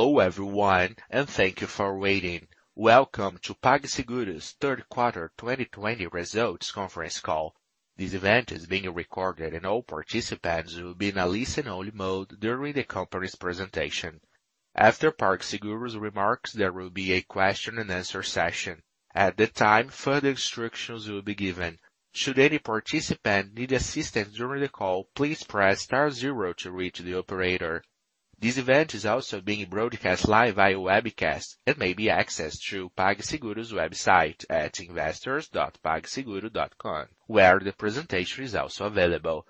Hello everyone, and thank you for waiting. Welcome to PagSeguro's third quarter 2020 results conference call. This event is being recorded and all participants will be in a listen-only mode during the company's presentation. After PagSeguro's remarks, there will be a question and answer session. At that time, further instructions will be given. Should any participant need assistance during the call, please press star zero to reach the operator. This event is also being broadcast live via webcast and may be accessed through PagSeguro's website at investors.pagseguro.com, where the presentation is also available.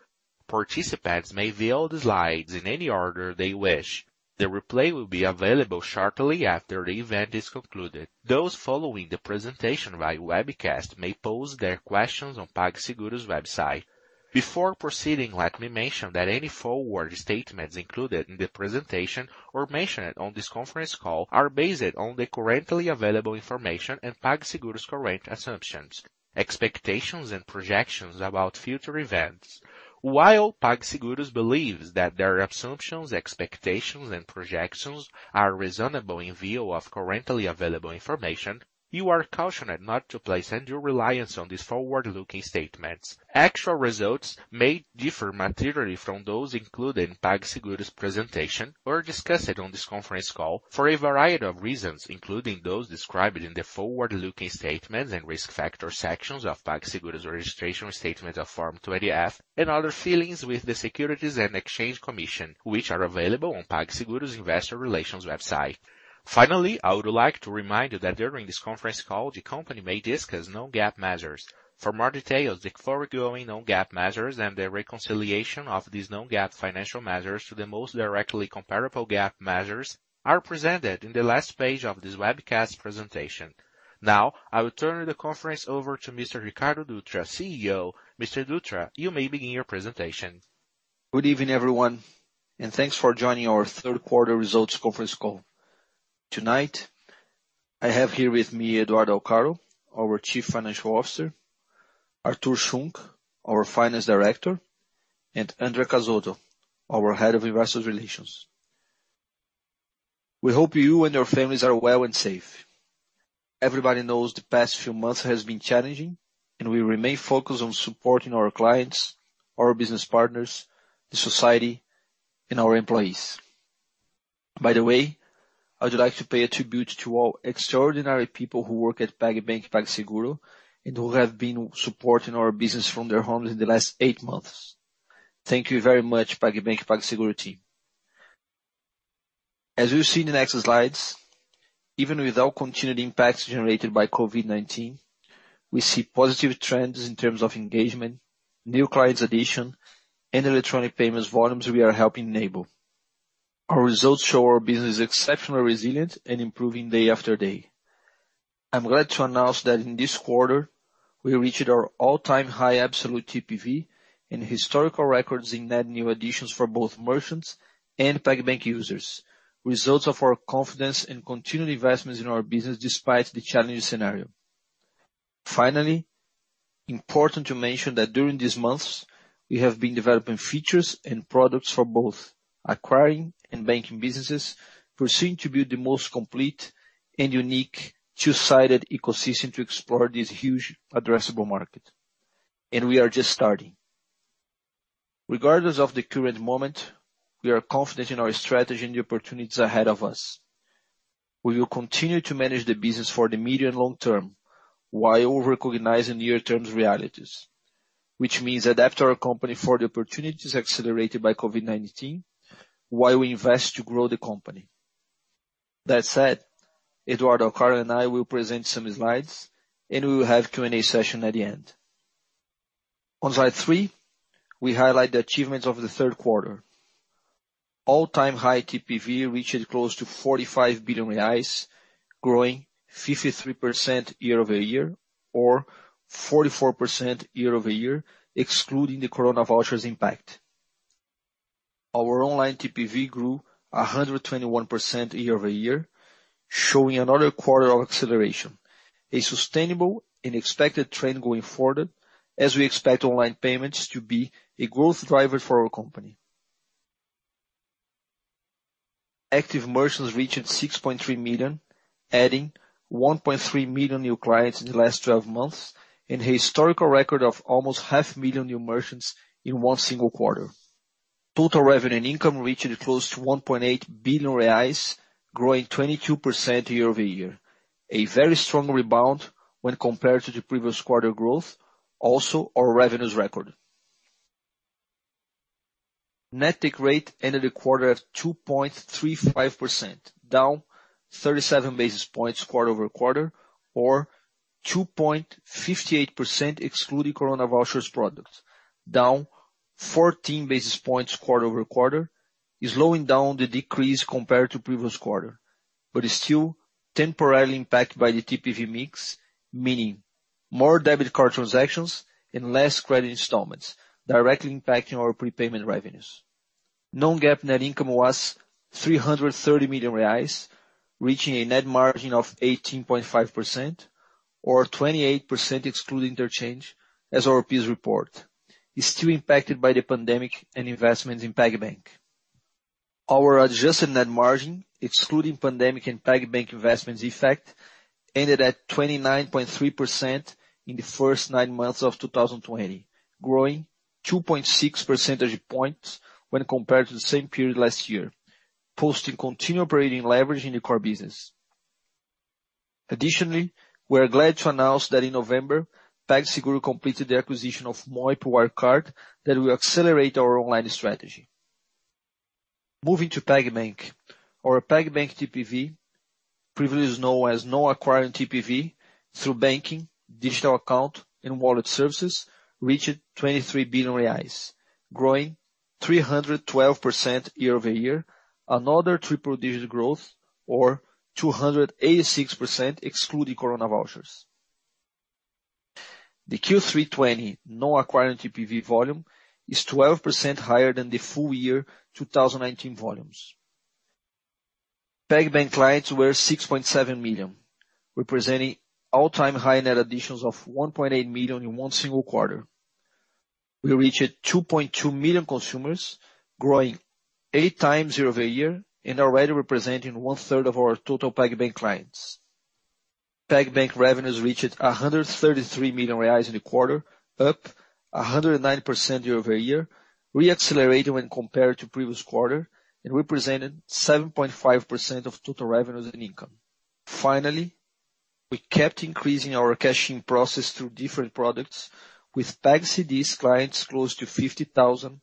Participants may view the slides in any order they wish. The replay will be available shortly after the event is concluded. Those following the presentation via webcast may pose their questions on PagSeguro's website. Before proceeding, let me mention that any forward statements included in the presentation or mentioned on this conference call are based on the currently available information and PagSeguro's current assumptions, expectations, and projections about future events. While PagSeguro believes that their assumptions, expectations, and projections are reasonable in view of currently available information, you are cautioned not to place undue reliance on these forward-looking statements. Actual results may differ materially from those included in PagSeguro's presentation or discussed on this conference call for a variety of reasons, including those described in the forward-looking statements and risk factor sections of PagSeguro's registration statement of Form 20-F and other filings with the Securities and Exchange Commission, which are available on PagSeguro's investor relations website. Finally, I would like to remind you that during this conference call, the company may discuss non-GAAP measures. For more details, the foregoing non-GAAP measures and their reconciliation of these non-GAAP financial measures to the most directly comparable GAAP measures are presented on the last page of this webcast presentation. Now, I will turn the conference over to Mr. Ricardo Dutra, CEO. Mr. Dutra, you may begin your presentation. Good evening, everyone, and thanks for joining our third quarter results conference call. Tonight, I have here with me Eduardo Alcaro, our Chief Financial Officer, Artur Schunck, our Finance Director, and André Cazotto, our Head of Investor Relations. We hope you and your families are well and safe. Everybody knows the past few months have been challenging, and we remain focused on supporting our clients, our business partners, the society, and our employees. By the way, I'd like to pay a tribute to all extraordinary people who work at PagBank, PagSeguro, and who have been supporting our business from their homes in the last eight months. Thank you very much, PagBank, PagSeguro team. As you'll see in the next slides, even with our continued impacts generated by COVID-19, we see positive trends in terms of engagement, new clients addition, and electronic payments volumes we are helping enable. Our results show our business is exceptionally resilient and improving day after day. I'm glad to announce that in this quarter, we reached our all-time high absolute TPV and historical records in net new additions for both merchants and PagBank users. Results of our confidence and continued investments in our business despite the challenging scenario. Important to mention that during these months, we have been developing features and products for both acquiring and banking businesses, pursuing to build the most complete and unique two-sided ecosystem to explore this huge addressable market. We are just starting. Regardless of the current moment, we are confident in our strategy and the opportunities ahead of us. We will continue to manage the business for the medium and long term, while recognizing near-term realities. Which means adapt our company for the opportunities accelerated by COVID-19 while we invest to grow the company. That said, Eduardo Alcaro and I will present some slides, and we will have Q&A session at the end. On slide three, we highlight the achievements of the third quarter. All-time high TPV reached close to 45 billion reais, growing 53% year-over-year or 44% year-over-year, excluding the corona vouchers impact. Our online TPV grew 121% year-over-year, showing another quarter of acceleration, a sustainable and expected trend going forward as we expect online payments to be a growth driver for our company. Active merchants reached 6.3 million, adding 1.3 million new clients in the last 12 months in a historical record of almost 500,000 new merchants in one single quarter. Total revenue and income reached close to 1.8 billion reais, growing 22% year-over-year. A very strong rebound when compared to the previous quarter growth, also our revenues record. Net take rate ended the quarter at 2.35%, down 37 basis points quarter-over-quarter or 2.58% excluding corona vouchers product, down 14 basis points quarter-over-quarter, slowing down the decrease compared to previous quarter. It's still temporarily impacted by the TPV mix, meaning more debit card transactions and less credit installments, directly impacting our prepayment revenues. Non-GAAP net income was 330 million reais. Reaching a net margin of 18.5% or 28% excluding interchange, as our Pix report, is still impacted by the pandemic and investments in PagBank. Our adjusted net margin, excluding pandemic and PagBank investments effect, ended at 29.3% in the first nine months of 2020, growing 2.6 percentage points when compared to the same period last year, posting continued operating leverage in the core business. Additionally, we're glad to announce that in November, PagSeguro completed the acquisition of Moip Wirecard that will accelerate our online strategy. Moving to PagBank. Our PagBank TPV, previously known as non-acquiring TPV through banking, digital account, and wallet services, reached 23 billion reais, growing 312% year-over-year, another triple digit growth or 286% excluding corona vouchers. The Q3 2020 non-acquiring TPV volume is 12% higher than the full year 2019 volumes. PagBank clients were 6.7 million, representing all-time high net additions of 1.8 million in one single quarter. We reached 2.2 million consumers, growing eight times year-over-year and already representing one-third of our total PagBank clients. PagBank revenues reached 133 million reais in the quarter, up 109% year-over-year, re-accelerating when compared to previous quarter, and represented 7.5% of total revenues and income. Finally, we kept increasing our cash-in process through different products with PagBank CDBs clients close to 50,000,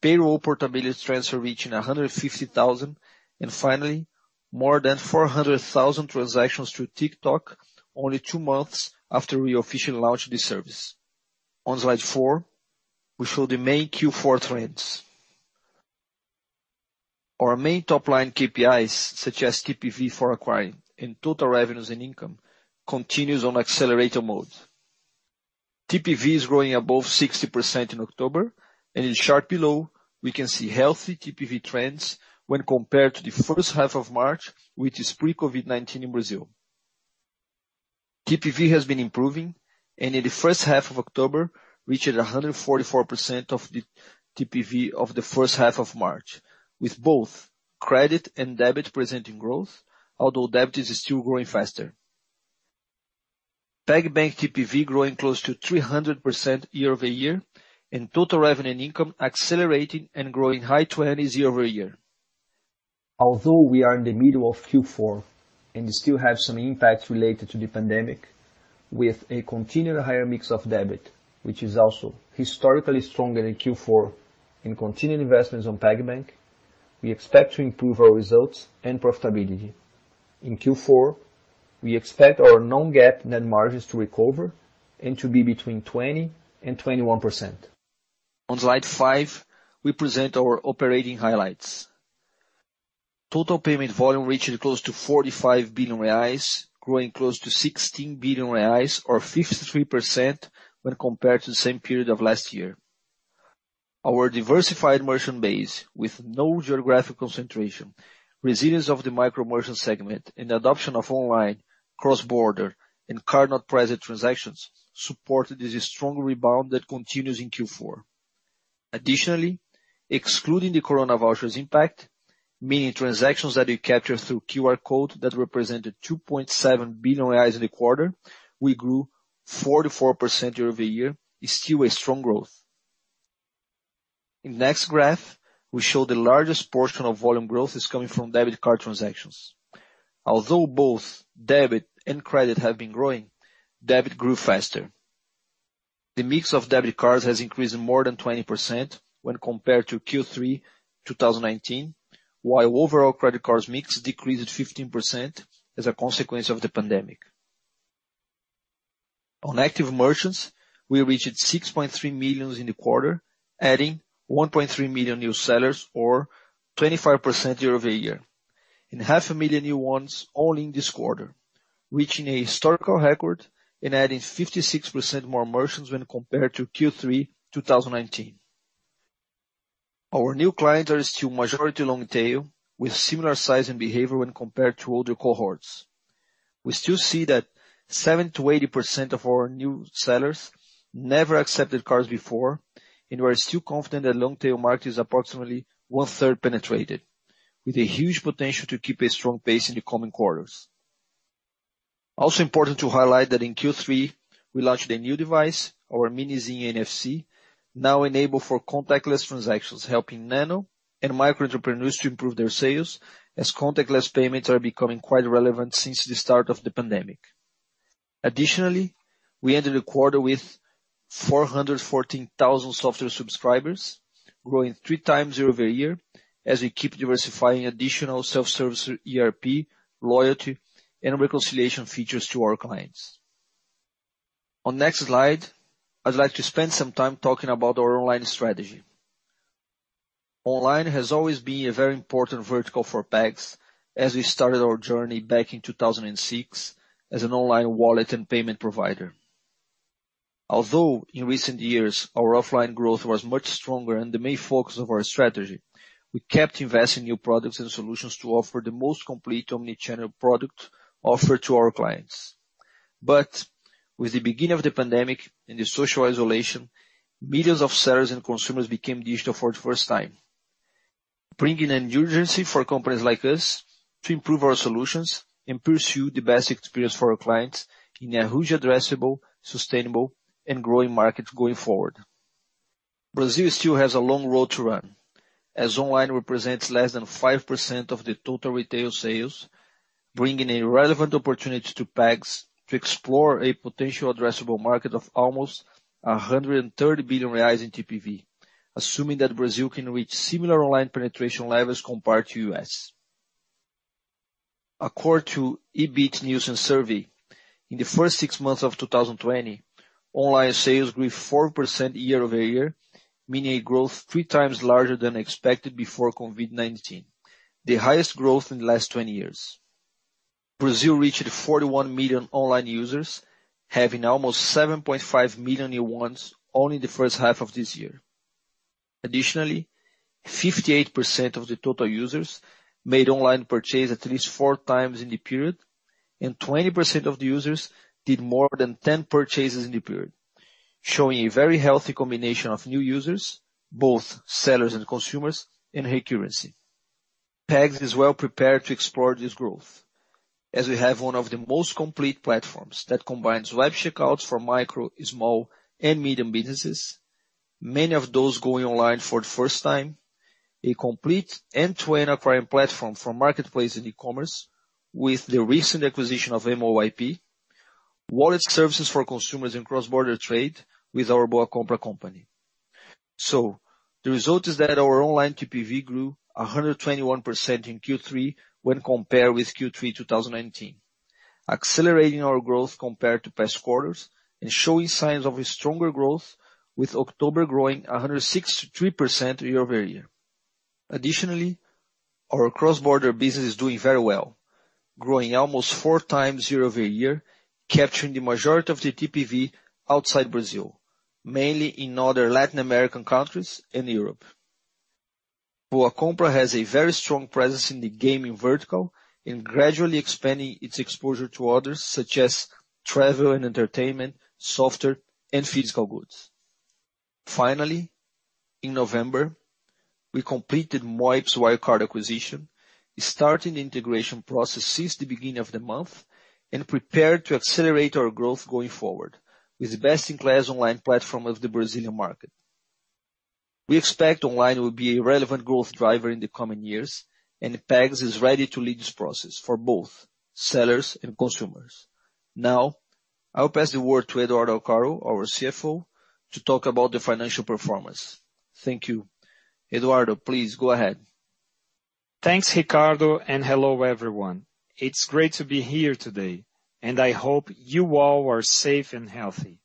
payroll portability transfer reaching 150,000, and finally, more than 400,000 transactions through TikTok only two months after we officially launched this service. On slide four, we show the main Q4 trends. Our main top-line KPIs, such as TPV for acquiring and total revenues and income, continues on accelerator mode. TPV is growing above 60% in October, and in the chart below, we can see healthy TPV trends when compared to the first half of March, which is pre-COVID-19 in Brazil. TPV has been improving, and in the first half of October reached 144% of the TPV of the first half of March, with both credit and debit presenting growth, although debit is still growing faster. PagBank TPV growing close to 300% year-over-year, and total revenue and income accelerating and growing high 20s year-over-year. Although we are in the middle of Q4 and still have some impact related to the pandemic, with a continued higher mix of debit, which is also historically stronger in Q4, and continued investments on PagBank, we expect to improve our results and profitability. In Q4, we expect our non-GAAP net margins to recover and to be between 20% and 21%. On slide five, we present our operating highlights. Total payment volume reached close to 45 billion reais, growing close to 16 billion reais or 53% when compared to the same period of last year. Our diversified merchant base with no geographic concentration, resilience of the micro-merchant segment, and the adoption of online, cross-border, and card-not-present transactions supported this strong rebound that continues in Q4. Additionally, excluding the corona vouchers impact, meaning transactions that we capture through QR code that represented 2.7 billion reais in the quarter, we grew 44% year-over-year, is still a strong growth. In next graph, we show the largest portion of volume growth is coming from debit card transactions. Although both debit and credit have been growing, debit grew faster. The mix of debit cards has increased more than 20% when compared to Q3 2019, while overall credit cards mix decreased 15% as a consequence of the pandemic. On active merchants, we reached 6.3 million in the quarter, adding 1.3 million new sellers or 25% year-over-year, and 500,000 new ones only in this quarter, reaching a historical record and adding 56% more merchants when compared to Q3 2019. Our new clients are still majority long tail with similar size and behavior when compared to older cohorts. We still see that 7%-8% of our new sellers never accepted cards before, we are still confident that long-tail market is approximately one-third penetrated, with a huge potential to keep a strong pace in the coming quarters. Important to highlight that in Q3, we launched a new device, our Minizinha NFC, now enabled for contactless transactions, helping nano and micro entrepreneurs to improve their sales as contactless payments are becoming quite relevant since the start of the pandemic. Additionally, we ended the quarter with 414,000 software subscribers, growing three times year-over-year, as we keep diversifying additional self-service ERP, loyalty, and reconciliation features to our clients. On next slide, I'd like to spend some time talking about our online strategy. Online has always been a very important vertical for PAGS as we started our journey back in 2006 as an online wallet and payment provider. Although in recent years our offline growth was much stronger and the main focus of our strategy, we kept investing in new products and solutions to offer the most complete omni-channel product offered to our clients. With the beginning of the pandemic and the social isolation, millions of sellers and consumers became digital for the first time, bringing an urgency for companies like us to improve our solutions and pursue the best experience for our clients in a huge addressable, sustainable, and growing market going forward. Brazil still has a long road to run, as online represents less than 5% of the total retail sales, bringing a relevant opportunity to PAGS to explore a potential addressable market of almost 130 billion reais in TPV. Assuming that Brazil can reach similar online penetration levels compared to the U.S. According to Ebit/Nielsen survey, in the first six months of 2020, online sales grew 4% year-over-year, meaning a growth three times larger than expected before COVID-19, the highest growth in the last 20 years. Brazil reached 41 million online users, having almost 7.5 million new ones only the first half of this year. Additionally, 58% of the total users made online purchase at least four times in the period, and 20% of the users did more than 10 purchases in the period. Showing a very healthy combination of new users, both sellers and consumers, and recurrency. PAGS is well prepared to explore this growth, as we have one of the most complete platforms that combines web checkouts for micro, small, and medium businesses. Many of those going online for the first time, a complete end-to-end acquiring platform for marketplace and e-commerce with the recent acquisition of Moip, wallet services for consumers and cross-border trade with our BoaCompra company. The result is that our online TPV grew 121% in Q3 when compared with Q3 2019, accelerating our growth compared to past quarters and showing signs of a stronger growth with October growing 163% year-over-year. Additionally, our cross-border business is doing very well, growing almost 4x year-over-year, capturing the majority of the TPV outside Brazil, mainly in other Latin American countries and Europe. BoaCompra has a very strong presence in the gaming vertical and gradually expanding its exposure to others, such as travel and entertainment, software and physical goods. Finally, in November, we completed Moip's Wirecard acquisition, starting the integration process since the beginning of the month and prepared to accelerate our growth going forward with the best-in-class online platform of the Brazilian market. We expect online will be a relevant growth driver in the coming years, and PAGS is ready to lead this process for both sellers and consumers. Now, I'll pass the word to Eduardo Alcaro, our CFO, to talk about the financial performance. Thank you. Eduardo, please go ahead. Thanks, Ricardo, and hello everyone. It's great to be here today, and I hope you all are safe and healthy.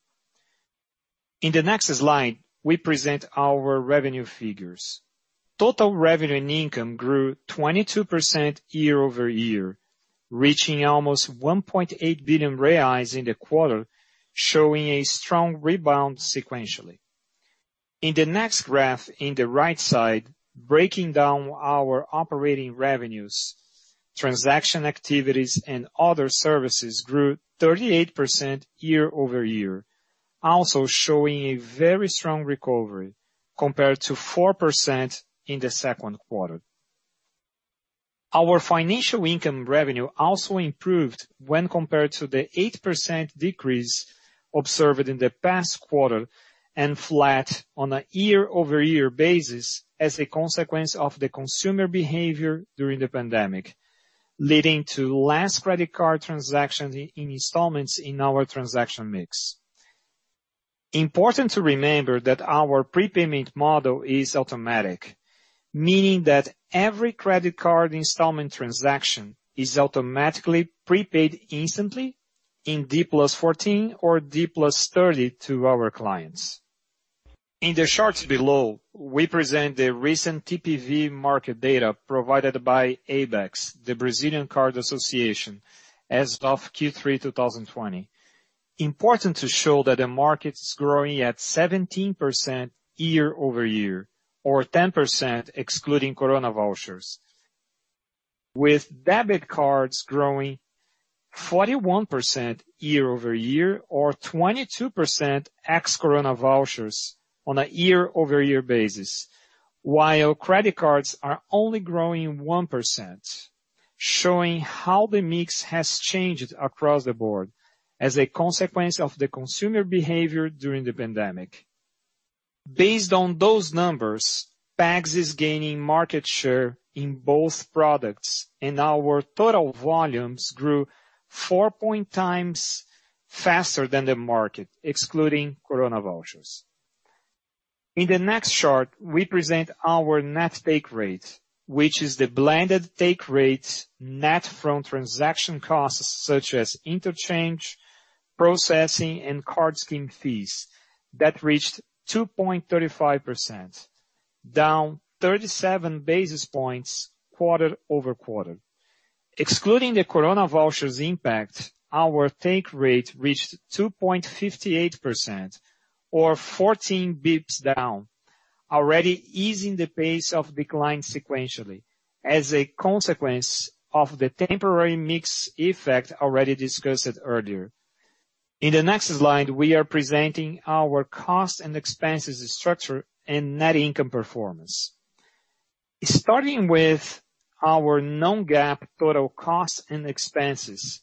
In the next slide, we present our revenue figures. Total revenue and income grew 22% year-over-year, reaching almost 1.8 billion reais in the quarter, showing a strong rebound sequentially. In the next graph, in the right side, breaking down our operating revenues, transaction activities, and other services grew 38% year-over-year, also showing a very strong recovery compared to 4% in the second quarter. Our financial income revenue also improved when compared to the 8% decrease observed in the past quarter and flat on a year-over-year basis as a consequence of the consumer behavior during the pandemic, leading to less credit card transactions in installments in our transaction mix. Important to remember that our prepayment model is automatic, meaning that every credit card installment transaction is automatically prepaid instantly in D+14 or D+30 to our clients. In the charts below, we present the recent TPV market data provided by ABECS the Brazilian Card Association, as of Q3 2020. Important to show that the market is growing at 17% year-over-year or 10% excluding corona vouchers, with debit cards growing 41% year-over-year or 22% ex corona vouchers on a year-over-year basis. Credit cards are only growing 1%, showing how the mix has changed across the board as a consequence of the consumer behavior during the pandemic. Based on those numbers, PAGS is gaining market share in both products, and our total volumes grew four point times faster than the market, excluding corona vouchers. In the next chart, we present our net take rate, which is the blended take rate net from transaction costs such as interchange, processing, and card scheme fees that reached 2.35%. Down 37 basis points quarter-over-quarter. Excluding the Corona vouchers impact, our take rate reached 2.58% or 14 basis points down, already easing the pace of decline sequentially as a consequence of the temporary mix effect already discussed earlier. In the next slide, we are presenting our costs and expenses structure and net income performance. Starting with our non-GAAP total costs and expenses.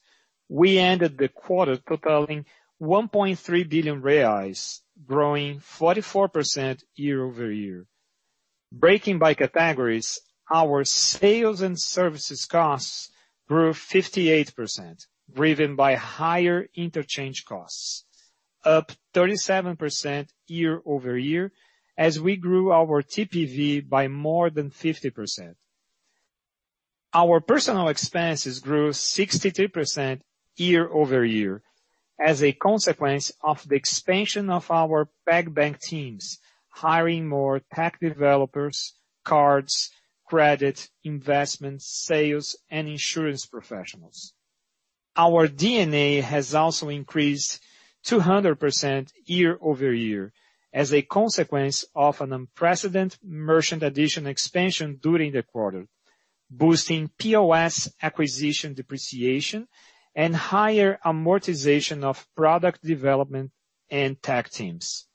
We ended the quarter totaling 1.3 billion reais, growing 44% year-over-year. Breaking by categories, our sales and services costs grew 58%, driven by higher interchange costs, up 37% year-over-year as we grew our TPV by more than 50%. Our personnel expenses grew 63% year-over-year as a consequence of the expansion of our PagBank teams, hiring more tech developers, cards, credit, investment, sales, and insurance professionals. Our D&A has also increased 200% year-over-year as a consequence of an unprecedented merchant addition expansion during the quarter, boosting POS acquisition depreciation and higher amortization of product development and tech teams.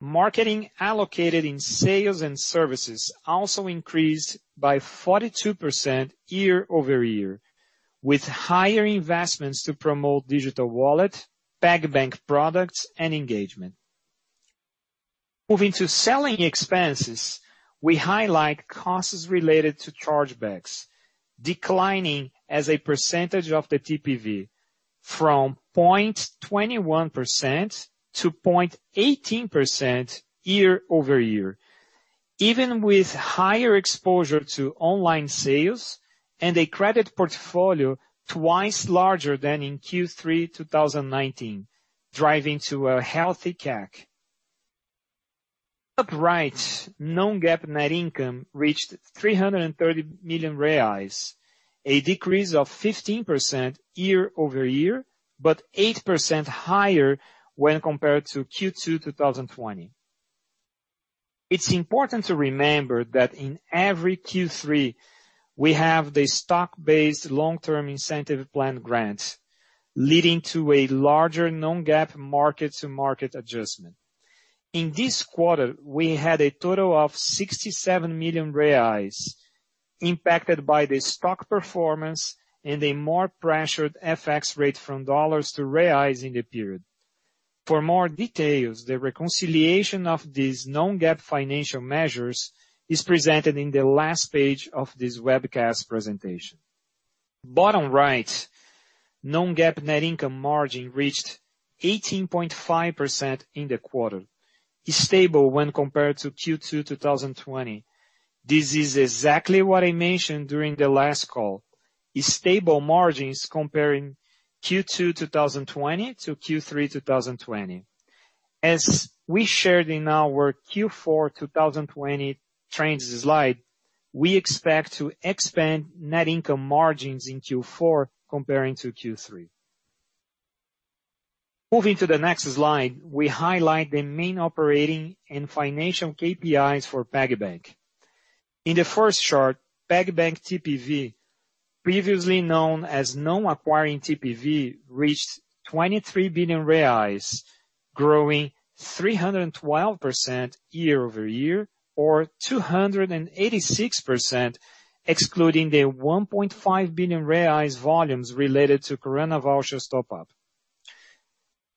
Marketing allocated in sales and services also increased by 42% year-over-year, with higher investments to promote digital wallet, PagBank products, and engagement. Moving to selling expenses, we highlight costs related to chargebacks, declining as a percentage of the TPV from 0.21% to 0.18% year-over-year, even with higher exposure to online sales and a credit portfolio twice larger than in Q3 2019, driving to a healthy CAC. Top right, non-GAAP net income reached 330 million reais, a decrease of 15% year-over-year, but 8% higher when compared to Q2 2020. It's important to remember that in every Q3, we have the stock-based long-term incentive plan grants, leading to a larger non-GAAP mark-to-market adjustment. In this quarter, we had a total of 67 million reais impacted by the stock performance and a more pressured FX rate from dollars to reals in the period. For more details, the reconciliation of these non-GAAP financial measures is presented in the last page of this webcast presentation. Bottom right, non-GAAP net income margin reached 18.5% in the quarter, stable when compared to Q2 2020. This is exactly what I mentioned during the last call, stable margins comparing Q2 2020 to Q3 2020. As we shared in our Q4 2020 trends slide, we expect to expand net income margins in Q4 comparing to Q3. Moving to the next slide, we highlight the main operating and financial KPIs for PagBank. In the first chart, PagBank TPV, previously known as non-acquiring TPV, reached 23 billion reais, growing 312% year-over-year or 286% excluding the 1.5 billion volumes related to corona vouchers top-up.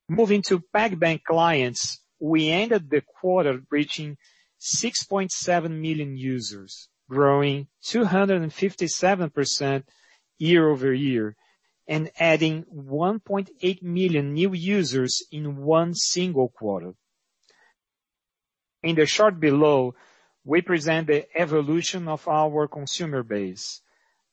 Moving to PagBank clients, we ended the quarter reaching 6.7 million users, growing 257% year-over-year and adding 1.8 million new users in one single quarter. In the chart below, we present the evolution of our consumer base.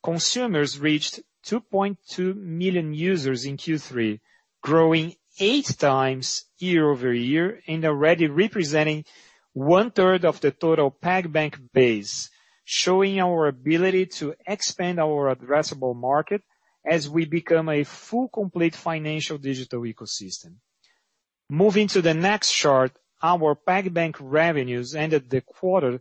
Consumers reached 2.2 million users in Q3, growing 8x year-over-year and already representing one-third of the total PagBank base, showing our ability to expand our addressable market as we become a full, complete financial digital ecosystem. Moving to the next chart, our PagBank revenues ended the quarter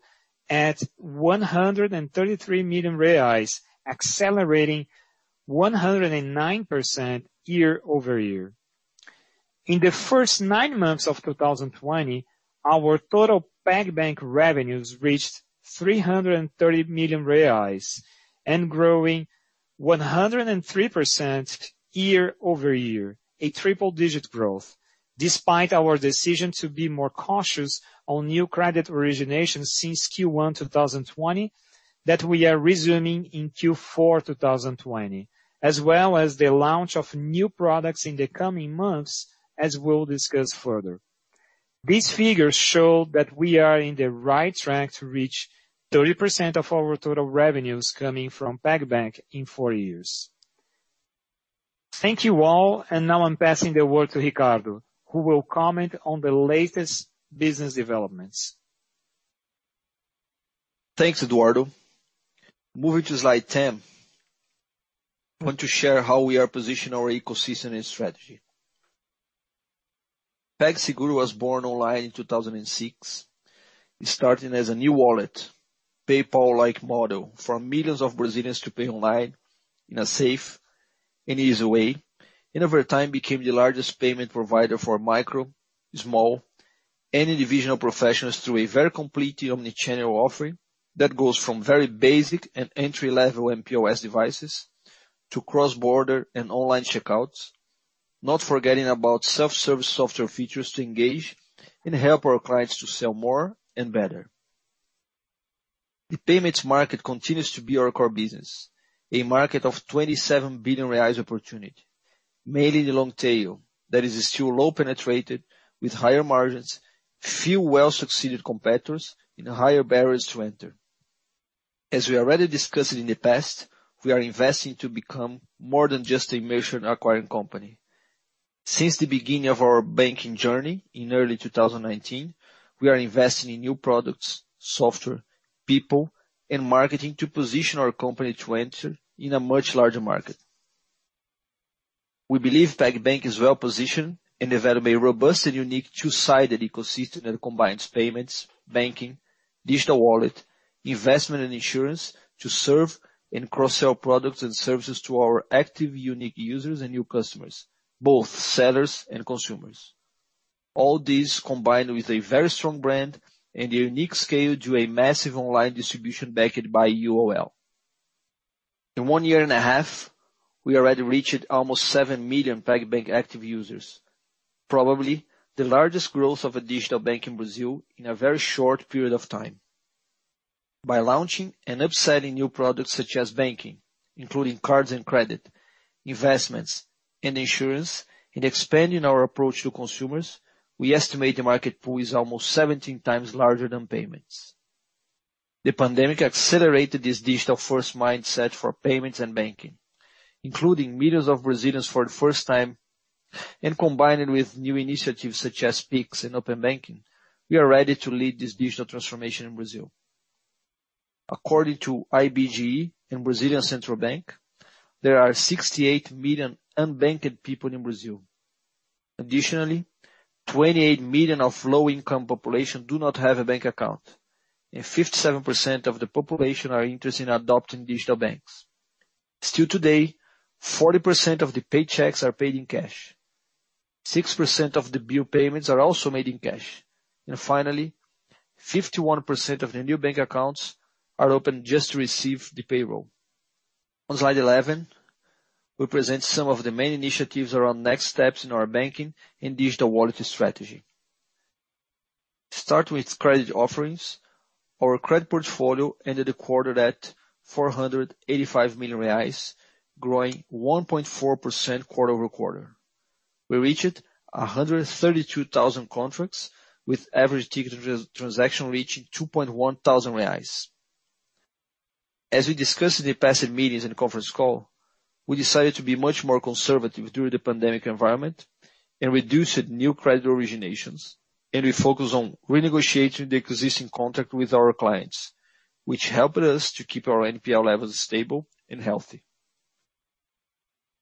at 133 million reais, accelerating 109% year-over-year. In the first nine months of 2020, our total PagBank revenues reached 330 million reais and growing 103% year-over-year, a triple digit growth, despite our decision to be more cautious on new credit originations since Q1 2020, that we are resuming in Q4 2020, as well as the launch of new products in the coming months, as we'll discuss further. These figures show that we are in the right track to reach 30% of our total revenues coming from PagBank in four years. Thank you all. Now I'm passing the word to Ricardo, who will comment on the latest business developments. Thanks, Eduardo. Moving to slide 10. I want to share how we are positioning our ecosystem and strategy. PAGS was born online in 2006. It started as a new wallet, PayPal-like model for millions of Brazilians to pay online in a safe and easy way. Over time became the largest payment provider for micro, small, and individual professionals through a very complete omnichannel offering that goes from very basic and entry-level mPOS devices to cross-border and online checkouts, not forgetting about self-service software features to engage and help our clients to sell more and better. The payments market continues to be our core business. A market of 27 billion reais opportunity, mainly the long tail that is still low penetrated with higher margins, few well-succeeded competitors, and higher barriers to enter. As we already discussed in the past, we are investing to become more than just a merchant acquiring company. Since the beginning of our banking journey in early 2019, we are investing in new products, software, people, and marketing to position our company to enter in a much larger market. We believe PagBank is well-positioned and developed a robust and unique two-sided ecosystem that combines payments, banking, digital wallet, investment, and insurance to serve and cross-sell products and services to our active unique users and new customers, both sellers and consumers. All this combined with a very strong brand and a unique scale to a massive online distribution backed by UOL. In one year and a half, we already reached almost seven million PagBank active users, probably the largest growth of a digital bank in Brazil in a very short period of time. By launching and upselling new products such as banking, including cards and credit, investments and insurance, and expanding our approach to consumers, we estimate the market pool is almost 17x larger than payments. The pandemic accelerated this digital-first mindset for payments and banking, including millions of Brazilians for the first time, and combined with new initiatives such as Pix and open banking, we are ready to lead this digital transformation in Brazil. According to IBGE and Central Bank of Brazil, there are 68 million unbanked people in Brazil. Additionally, 28 million of low-income population do not have a bank account, and 57% of the population are interested in adopting digital banks. Still today, 40% of the paychecks are paid in cash. 6% of the bill payments are also made in cash. Finally, 51% of the new bank accounts are opened just to receive the payroll. On slide 11, we present some of the main initiatives around next steps in our banking and digital wallet strategy. Start with credit offerings. Our credit portfolio ended the quarter at 485 million reais, growing 1.4% quarter-over-quarter. We reached 132,000 contracts with average ticket transaction reaching 2,100 reais. As we discussed in the past meetings and conference call, we decided to be much more conservative during the pandemic environment and reduced new credit originations. We focused on renegotiating the existing contract with our clients, which helped us to keep our NPL levels stable and healthy.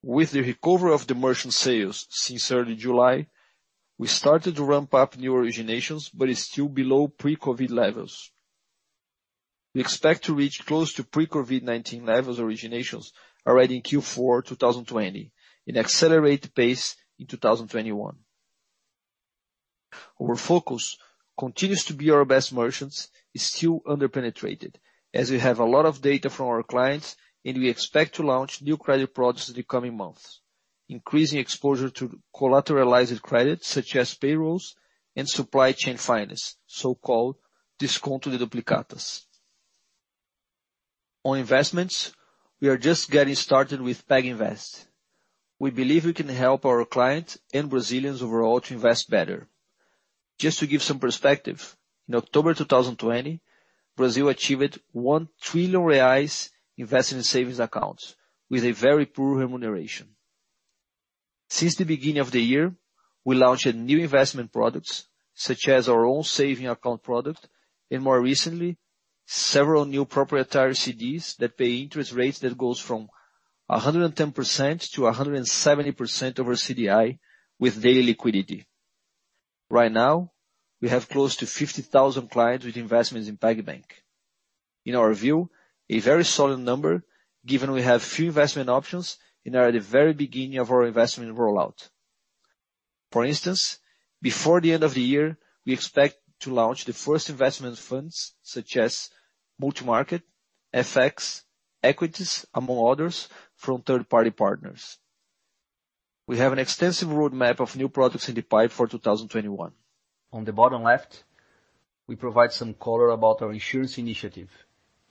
With the recovery of the merchant sales since early July, we started to ramp up new originations, but it's still below pre-COVID levels. We expect to reach close to pre-COVID-19 levels originations already in Q4 2020 and accelerate the pace in 2021. Our focus continues to be our best merchants is still under-penetrated, as we have a lot of data from our clients, and we expect to launch new credit products in the coming months, increasing exposure to collateralized credit such as payrolls and supply chain finance, so-called desconto de duplicatas. On investments, we are just getting started with PagInvest. We believe we can help our clients and Brazilians overall to invest better. Just to give some perspective, in October 2020, Brazil achieved 1 trillion reais invested in savings accounts with a very poor remuneration. Since the beginning of the year, we launched new investment products such as our own saving account product, and more recently, several new proprietary CDBs that pay interest rates that goes from 110% to 170% over CDI with daily liquidity. Right now, we have close to 50,000 clients with investments in PagBank. In our view, a very solid number given we have few investment options and are at the very beginning of our investment rollout. For instance, before the end of the year, we expect to launch the first investment funds such as multi-market, FX, equities, among others, from third-party partners. We have an extensive roadmap of new products in the pipe for 2021. On the bottom left, we provide some color about our insurance initiative.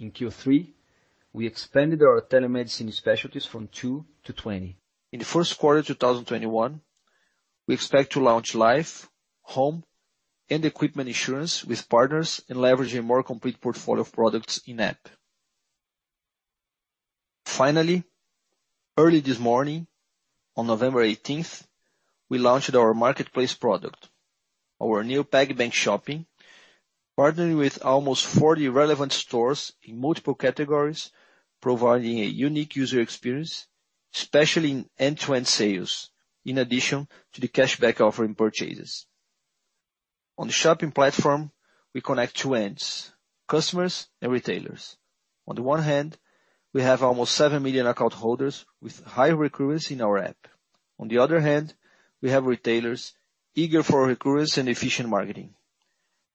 In Q3, we expanded our telemedicine specialties from two to 20. In the first quarter 2021. We expect to launch life, home, and equipment insurance with partners and leverage a more complete portfolio of products in-app. Finally, early this morning, on November 18th, we launched our marketplace product, our new PagBank Shopping, partnering with almost 40 relevant stores in multiple categories, providing a unique user experience, especially in end-to-end sales, in addition to the cashback offer in purchases. On the shopping platform, we connect two ends, customers and retailers. On the one hand, we have almost 7 million account holders with high recurrence in our app. On the other hand, we have retailers eager for recurrence and efficient marketing.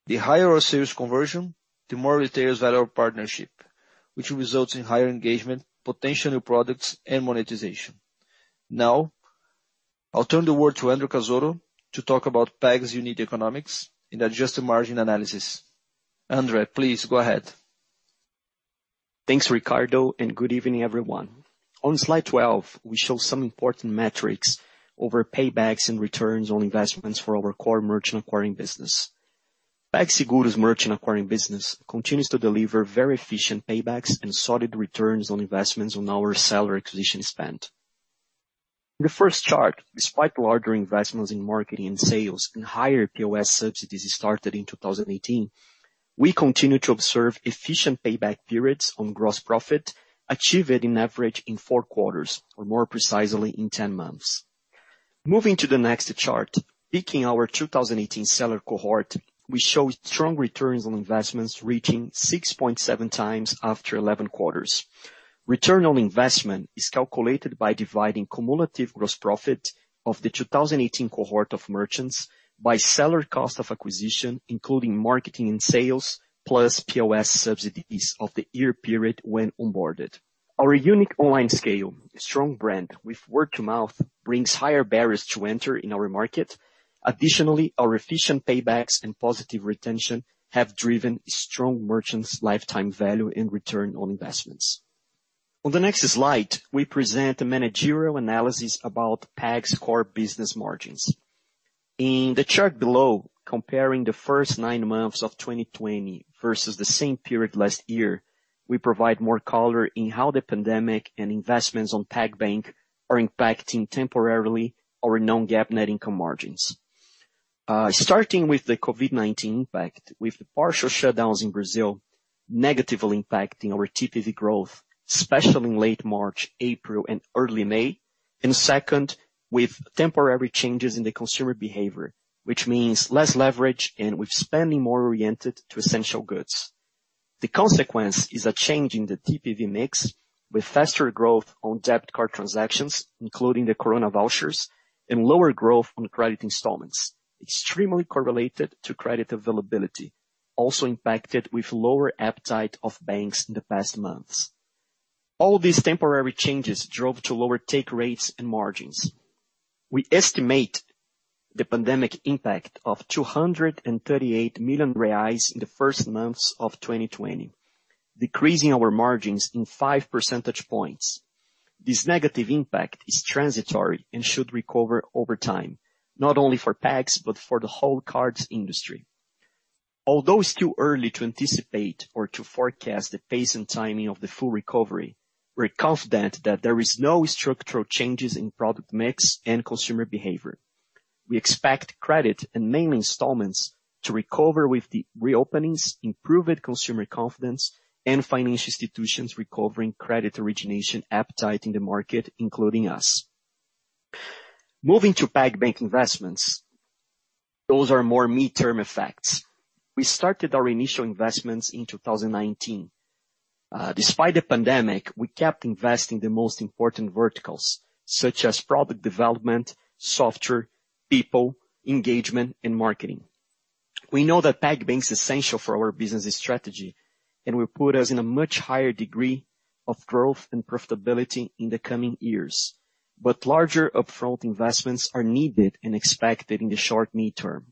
The higher our sales conversion, the more retailers value our partnership, which results in higher engagement, potential new products, and monetization. Now, I'll turn the word to André Cazotto to talk about PAGS's unique economics and adjusted margin analysis. André, please go ahead. Thanks, Ricardo, and good evening, everyone. On slide 12, we show some important metrics over paybacks and returns on investments for our core merchant acquiring business. PAGS's merchant acquiring business continues to deliver very efficient paybacks and solid returns on investments on our seller acquisition spend. In the first chart, despite larger investments in marketing and sales and higher POS subsidies started in 2018, we continue to observe efficient payback periods on gross profit, achieved on average in four quarters, or more precisely, in 10 months. Moving to the next chart, picking our 2018 seller cohort, we show strong returns on investments reaching 6.7x after 11 quarters. Return on investment is calculated by dividing cumulative gross profit of the 2018 cohort of merchants by seller cost of acquisition, including marketing and sales, plus POS subsidies of the year period when onboarded. Our unique online scale, strong brand with word of mouth, brings higher barriers to enter in our market. Additionally, our efficient paybacks and positive retention have driven strong merchants' lifetime value and return on investments. On the next slide, we present a managerial analysis about PAGS's core business margins. In the chart below, comparing the first nine months of 2020 versus the same period last year, we provide more color in how the pandemic and investments on PagBank are impacting temporarily our non-GAAP net income margins, starting with the COVID-19 impact, with the partial shutdowns in Brazil negatively impacting our TPV growth, especially in late March, April, and early May, and second, with temporary changes in the consumer behavior, which means less leverage and with spending more oriented to essential goods. The consequence is a change in the TPV mix with faster growth on debit card transactions, including the corona vouchers, and lower growth on credit installments, extremely correlated to credit availability, also impacted with lower appetite of banks in the past months. All these temporary changes drove to lower take rates and margins. We estimate the pandemic impact of 238 million reais in the first months of 2020, decreasing our margins in 5 percentage points. This negative impact is transitory and should recover over time, not only for PAGS but for the whole cards industry. Although it's too early to anticipate or to forecast the pace and timing of the full recovery, we're confident that there is no structural changes in product mix and consumer behavior. We expect credit and mainly installments to recover with the reopenings, improved consumer confidence, and financial institutions recovering credit origination appetite in the market, including us. Moving to PagBank investments. Those are more mid-term effects. We started our initial investments in 2019. Despite the pandemic, we kept investing the most important verticals, such as product development, software, people, engagement, and marketing. We know that PagBank's essential for our business' strategy, and will put us in a much higher degree of growth and profitability in the coming years. Larger upfront investments are needed and expected in the short mid-term.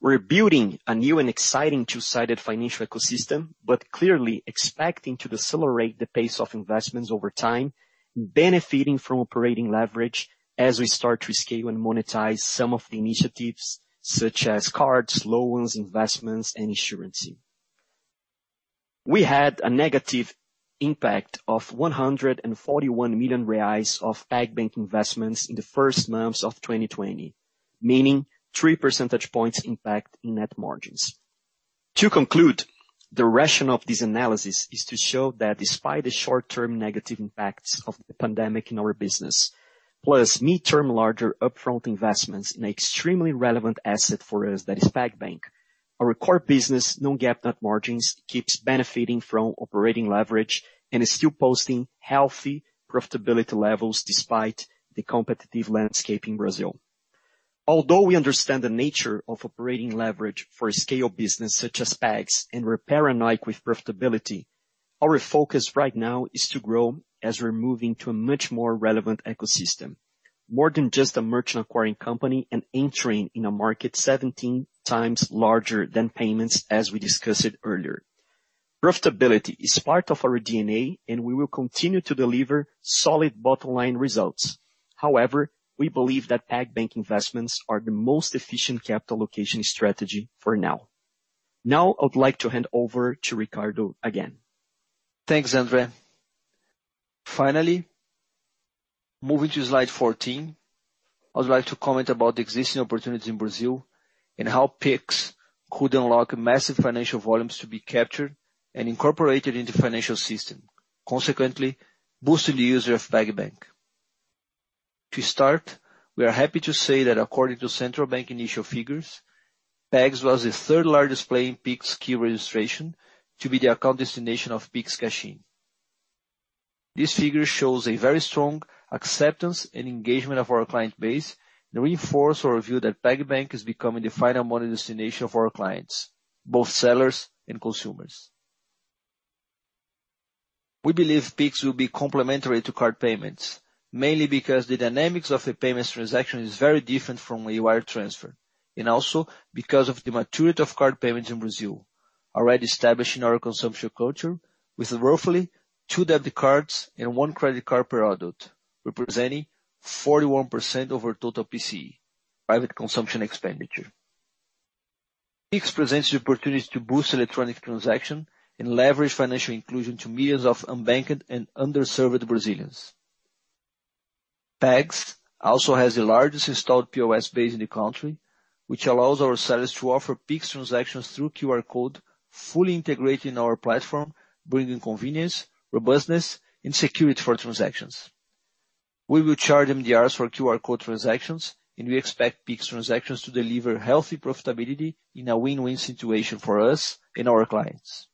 We're building a new and exciting two-sided financial ecosystem, but clearly expecting to decelerate the pace of investments over time, benefiting from operating leverage as we start to scale and monetize some of the initiatives such as cards, loans, investments, and insurance. We had a negative impact of 141 million reais of PagBank investments in the first months of 2020, meaning three percentage points impact in net margins. To conclude, the rationale of this analysis is to show that despite the short-term negative impacts of the pandemic in our business, plus mid-term larger upfront investments in extremely relevant asset for us that is PagBank. Our core business non-GAAP net margins keeps benefiting from operating leverage and is still posting healthy profitability levels despite the competitive landscape in Brazil. Although we understand the nature of operating leverage for a scale business such as PAGS and we're paranoid with profitability, our focus right now is to grow as we're moving to a much more relevant ecosystem, more than just a merchant acquiring company and entering in a market 17x larger than payments as we discussed earlier. Profitability is part of our DNA, and we will continue to deliver solid bottom-line results. However, we believe that PagBank investments are the most efficient capital allocation strategy for now. Now, I'd like to hand over to Ricardo again. Thanks, André. Moving to slide 14, I would like to comment about the existing opportunity in Brazil and how Pix could unlock massive financial volumes to be captured and incorporated into financial system, consequently boosting the use of PagBank. To start, we are happy to say that according to Central Bank initial figures, PagBank was the third largest player in Pix key registration to be the account destination of Pix cash-in. This figure shows a very strong acceptance and engagement of our client base and reinforce our view that PagBank is becoming the final money destination for our clients, both sellers and consumers. We believe Pix will be complementary to card payments, mainly because the dynamics of a payments transaction is very different from a wire transfer, and also because of the maturity of card payments in Brazil, already established in our consumption culture with roughly two debit cards and one credit card per adult, representing 41% of our total PCE, private consumption expenditure. Pix presents the opportunity to boost electronic transaction and leverage financial inclusion to millions of unbanked and underserved Brazilians. PAGS also has the largest installed POS base in the country, which allows our sellers to offer Pix transactions through QR code, fully integrated in our platform, bringing convenience, robustness, and security for transactions. We will charge MDRs for QR code transactions, and we expect Pix transactions to deliver healthy profitability in a win-win situation for us and our clients.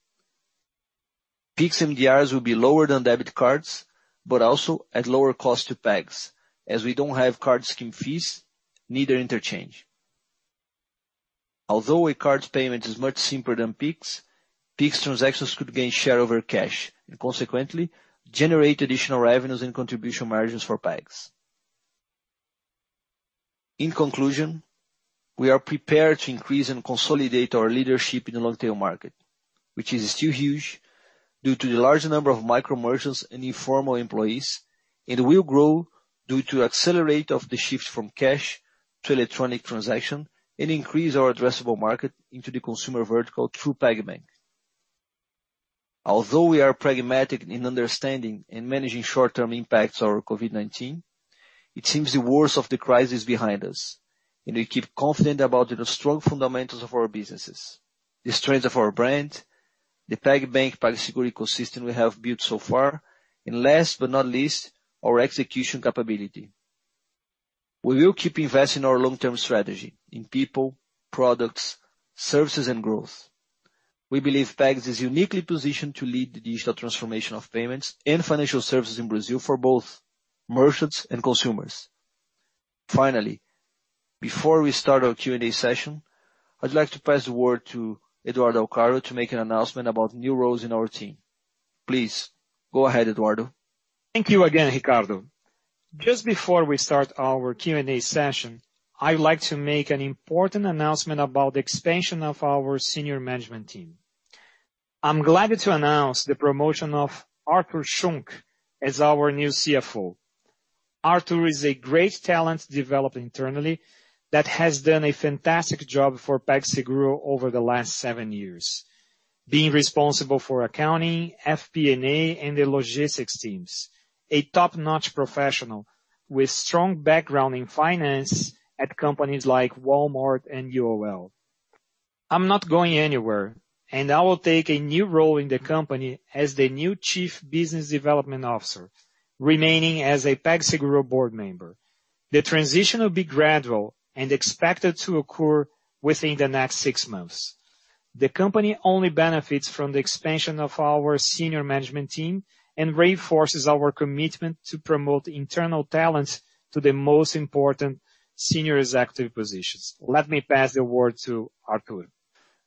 Pix MDRs will be lower than debit cards, but also at lower cost to PAGS, as we don't have card scheme fees, neither interchange. Although a card payment is much simpler than Pix transactions could gain share over cash, and consequently generate additional revenues and contribution margins for PAGS. In conclusion, we are prepared to increase and consolidate our leadership in the long-tail market, which is still huge due to the large number of micro merchants and informal employees, and will grow due to accelerate of the shift from cash to electronic transaction and increase our addressable market into the consumer vertical through PagBank. Although we are pragmatic in understanding and managing short-term impacts of COVID-19, it seems the worst of the crisis is behind us, and we keep confident about the strong fundamentals of our businesses, the strength of our brand, the PagBank/PagSeguro ecosystem we have built so far, and last but not least, our execution capability. We will keep investing our long-term strategy in people, products, services, and growth. We believe PAGS is uniquely positioned to lead the digital transformation of payments and financial services in Brazil for both merchants and consumers. Finally, before we start our Q&A session, I'd like to pass the word to Eduardo Alcaro to make an announcement about new roles in our team. Please go ahead, Eduardo. Thank you again, Ricardo. Just before we start our Q&A session, I would like to make an important announcement about the expansion of our senior management team. I'm glad to announce the promotion of Artur Schunck as our new CFO. Artur is a great talent developed internally that has done a fantastic job for PagSeguro over the last seven years, being responsible for accounting, FP&A, and the logistics teams. A top-notch professional with strong background in finance at companies like Walmart and UOL. I'm not going anywhere, and I will take a new role in the company as the new chief business development officer, remaining as a PagSeguro board member. The transition will be gradual and expected to occur within the next six months. The company only benefits from the expansion of our senior management team and reinforces our commitment to promote internal talent to the most important senior executive positions. Let me pass the word to Artur.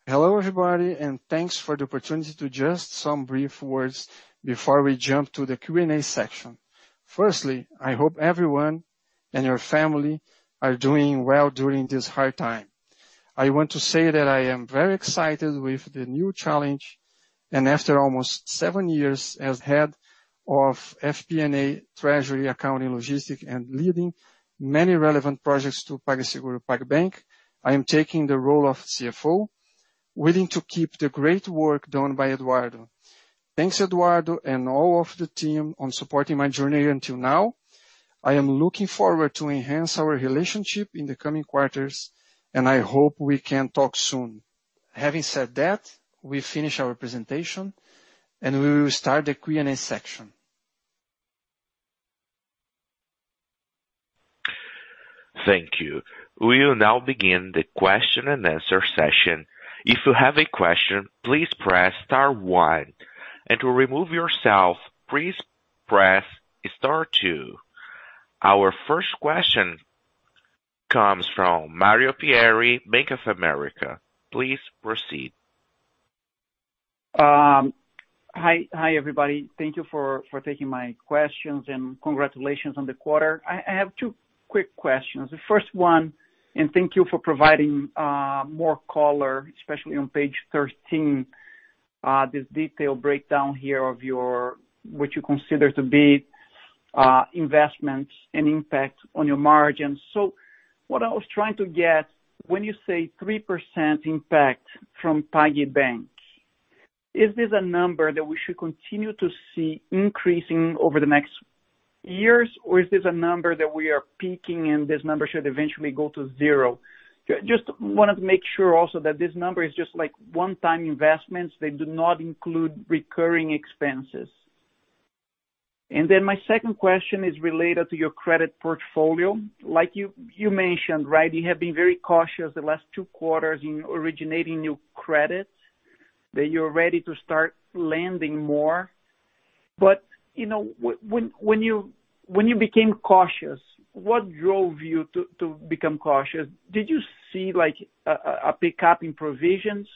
Hello, everybody, and thanks for the opportunity to just some brief words before we jump to the Q&A section. Firstly, I hope everyone and your family are doing well during this hard time. I want to say that I am very excited with the new challenge, and after almost seven years as head of FP&A, treasury, accounting, logistics, and leading many relevant projects to PagSeguro/PagBank, I am taking the role of CFO, willing to keep the great work done by Eduardo. Thanks, Eduardo and all of the team on supporting my journey until now. I am looking forward to enhance our relationship in the coming quarters, and I hope we can talk soon. Having said that, we finish our presentation, and we will start the Q&A section. Thank you. We will now begin the question and answer session. If you have a question, please press star one. To remove yourself, please press star two. Our first question comes from Mario Pierry, Bank of America. Please proceed. Hi, everybody. Thank you for taking my questions, and congratulations on the quarter. I have two quick questions. The first one, and thank you for providing more color, especially on page 13, this detailed breakdown here of what you consider to be investments and impact on your margins. What I was trying to get, when you say 3% impact from PagBank, is this a number that we should continue to see increasing over the next years? Is this a number that we are peaking and this number should eventually go to zero? Just wanted to make sure also that this number is just like one-time investments. They do not include recurring expenses. My second question is related to your credit portfolio. Like you mentioned, right? You have been very cautious the last two quarters in originating new credits, that you're ready to start lending more. When you became cautious, what drove you to become cautious? Did you see a pickup in provisions?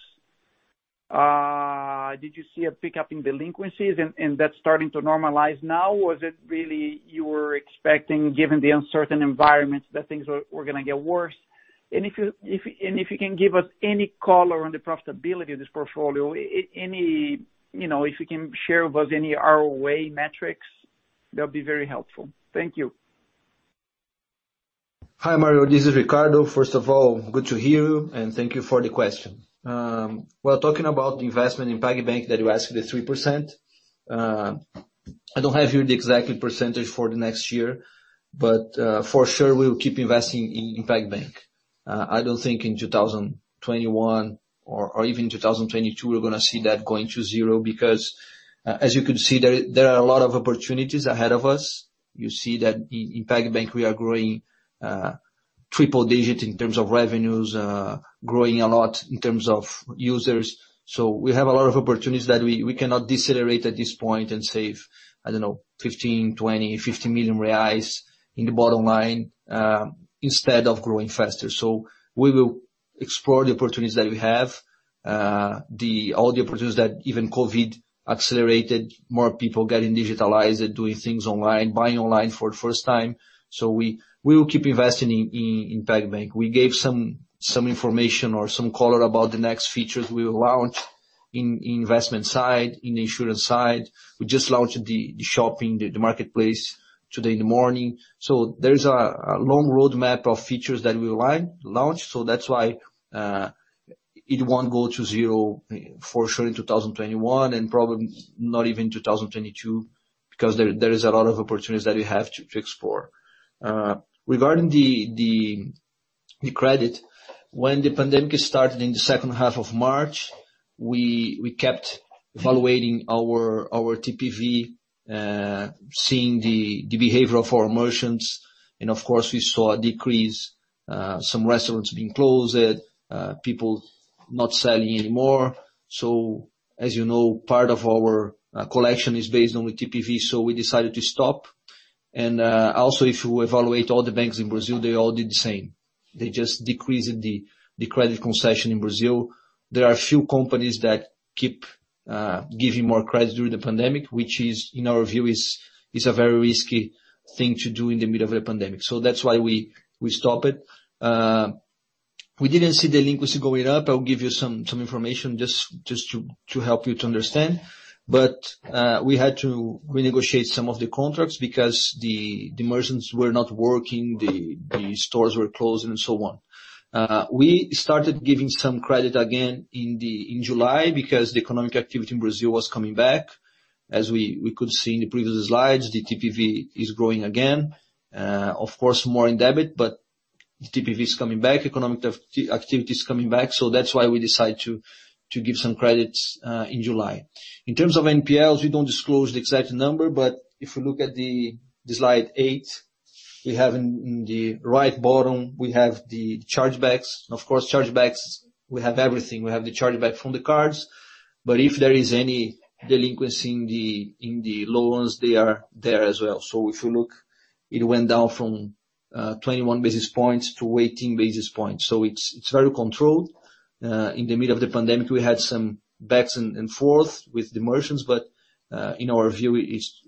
Did you see a pickup in delinquencies, and that's starting to normalize now? Was it really you were expecting, given the uncertain environments, that things were going to get worse? If you can give us any color on the profitability of this portfolio, if you can share with us any ROA metrics, that would be very helpful. Thank you. Hi, Mario. This is Ricardo. First of all, good to hear you. Thank you for the question. Well, talking about the investment in PagBank that you asked me, the 3%, I don't have here the exact percentage for the next year. For sure, we will keep investing in PagBank. I don't think in 2021 or even 2022, we're going to see that going to zero. As you can see, there are a lot of opportunities ahead of us. You see that in PagBank, we are growing triple digit in terms of revenues, growing a lot in terms of users. We have a lot of opportunities that we cannot decelerate at this point and save, I don't know, 15 million reais, 20 million, 50 million reais in the bottom line instead of growing faster. We will explore the opportunities that we have. All the opportunities that even COVID accelerated, more people getting digitalized and doing things online, buying online for the first time. We will keep investing in PagBank. We gave some information or some color about the next features we will launch in the investment side, in the insurance side. We just launched the shopping, the marketplace today in the morning. There's a long roadmap of features that we will launch. That's why it won't go to zero for sure in 2021 and probably not even 2022 because there is a lot of opportunities that we have to explore. Regarding the credit, when the pandemic started in the second half of March, we kept evaluating our TPV, seeing the behavior of our merchants, and of course, we saw a decrease, some restaurants being closed, people not selling anymore. As you know, part of our collection is based on the TPV, we decided to stop, and also if you evaluate all the banks in Brazil, they all did the same. They just decreased the credit concession in Brazil. There are a few companies that keep giving more credits during the pandemic, which in our view is a very risky thing to do in the middle of a pandemic. That's why we stopped it. We didn't see delinquency going up. I'll give you some information just to help you to understand. We had to renegotiate some of the contracts because the merchants were not working, the stores were closing, and so on. We started giving some credit again in July because the economic activity in Brazil was coming back. As we could see in the previous slides, the TPV is growing again. Of course, more in debit, but the TPV is coming back, economic activity is coming back. That's why we decided to give some credits in July. In terms of NPLs, we don't disclose the exact number, but if you look at slide eight, we have in the right bottom, we have the chargebacks. Of course, chargebacks, we have everything. We have the chargeback from the cards. If there is any delinquency in the loans, they are there as well. If you look, it went down from 21 basis points to 18 basis points. It's very controlled. In the middle of the pandemic, we had some backs and forth with the merchants, but in our view,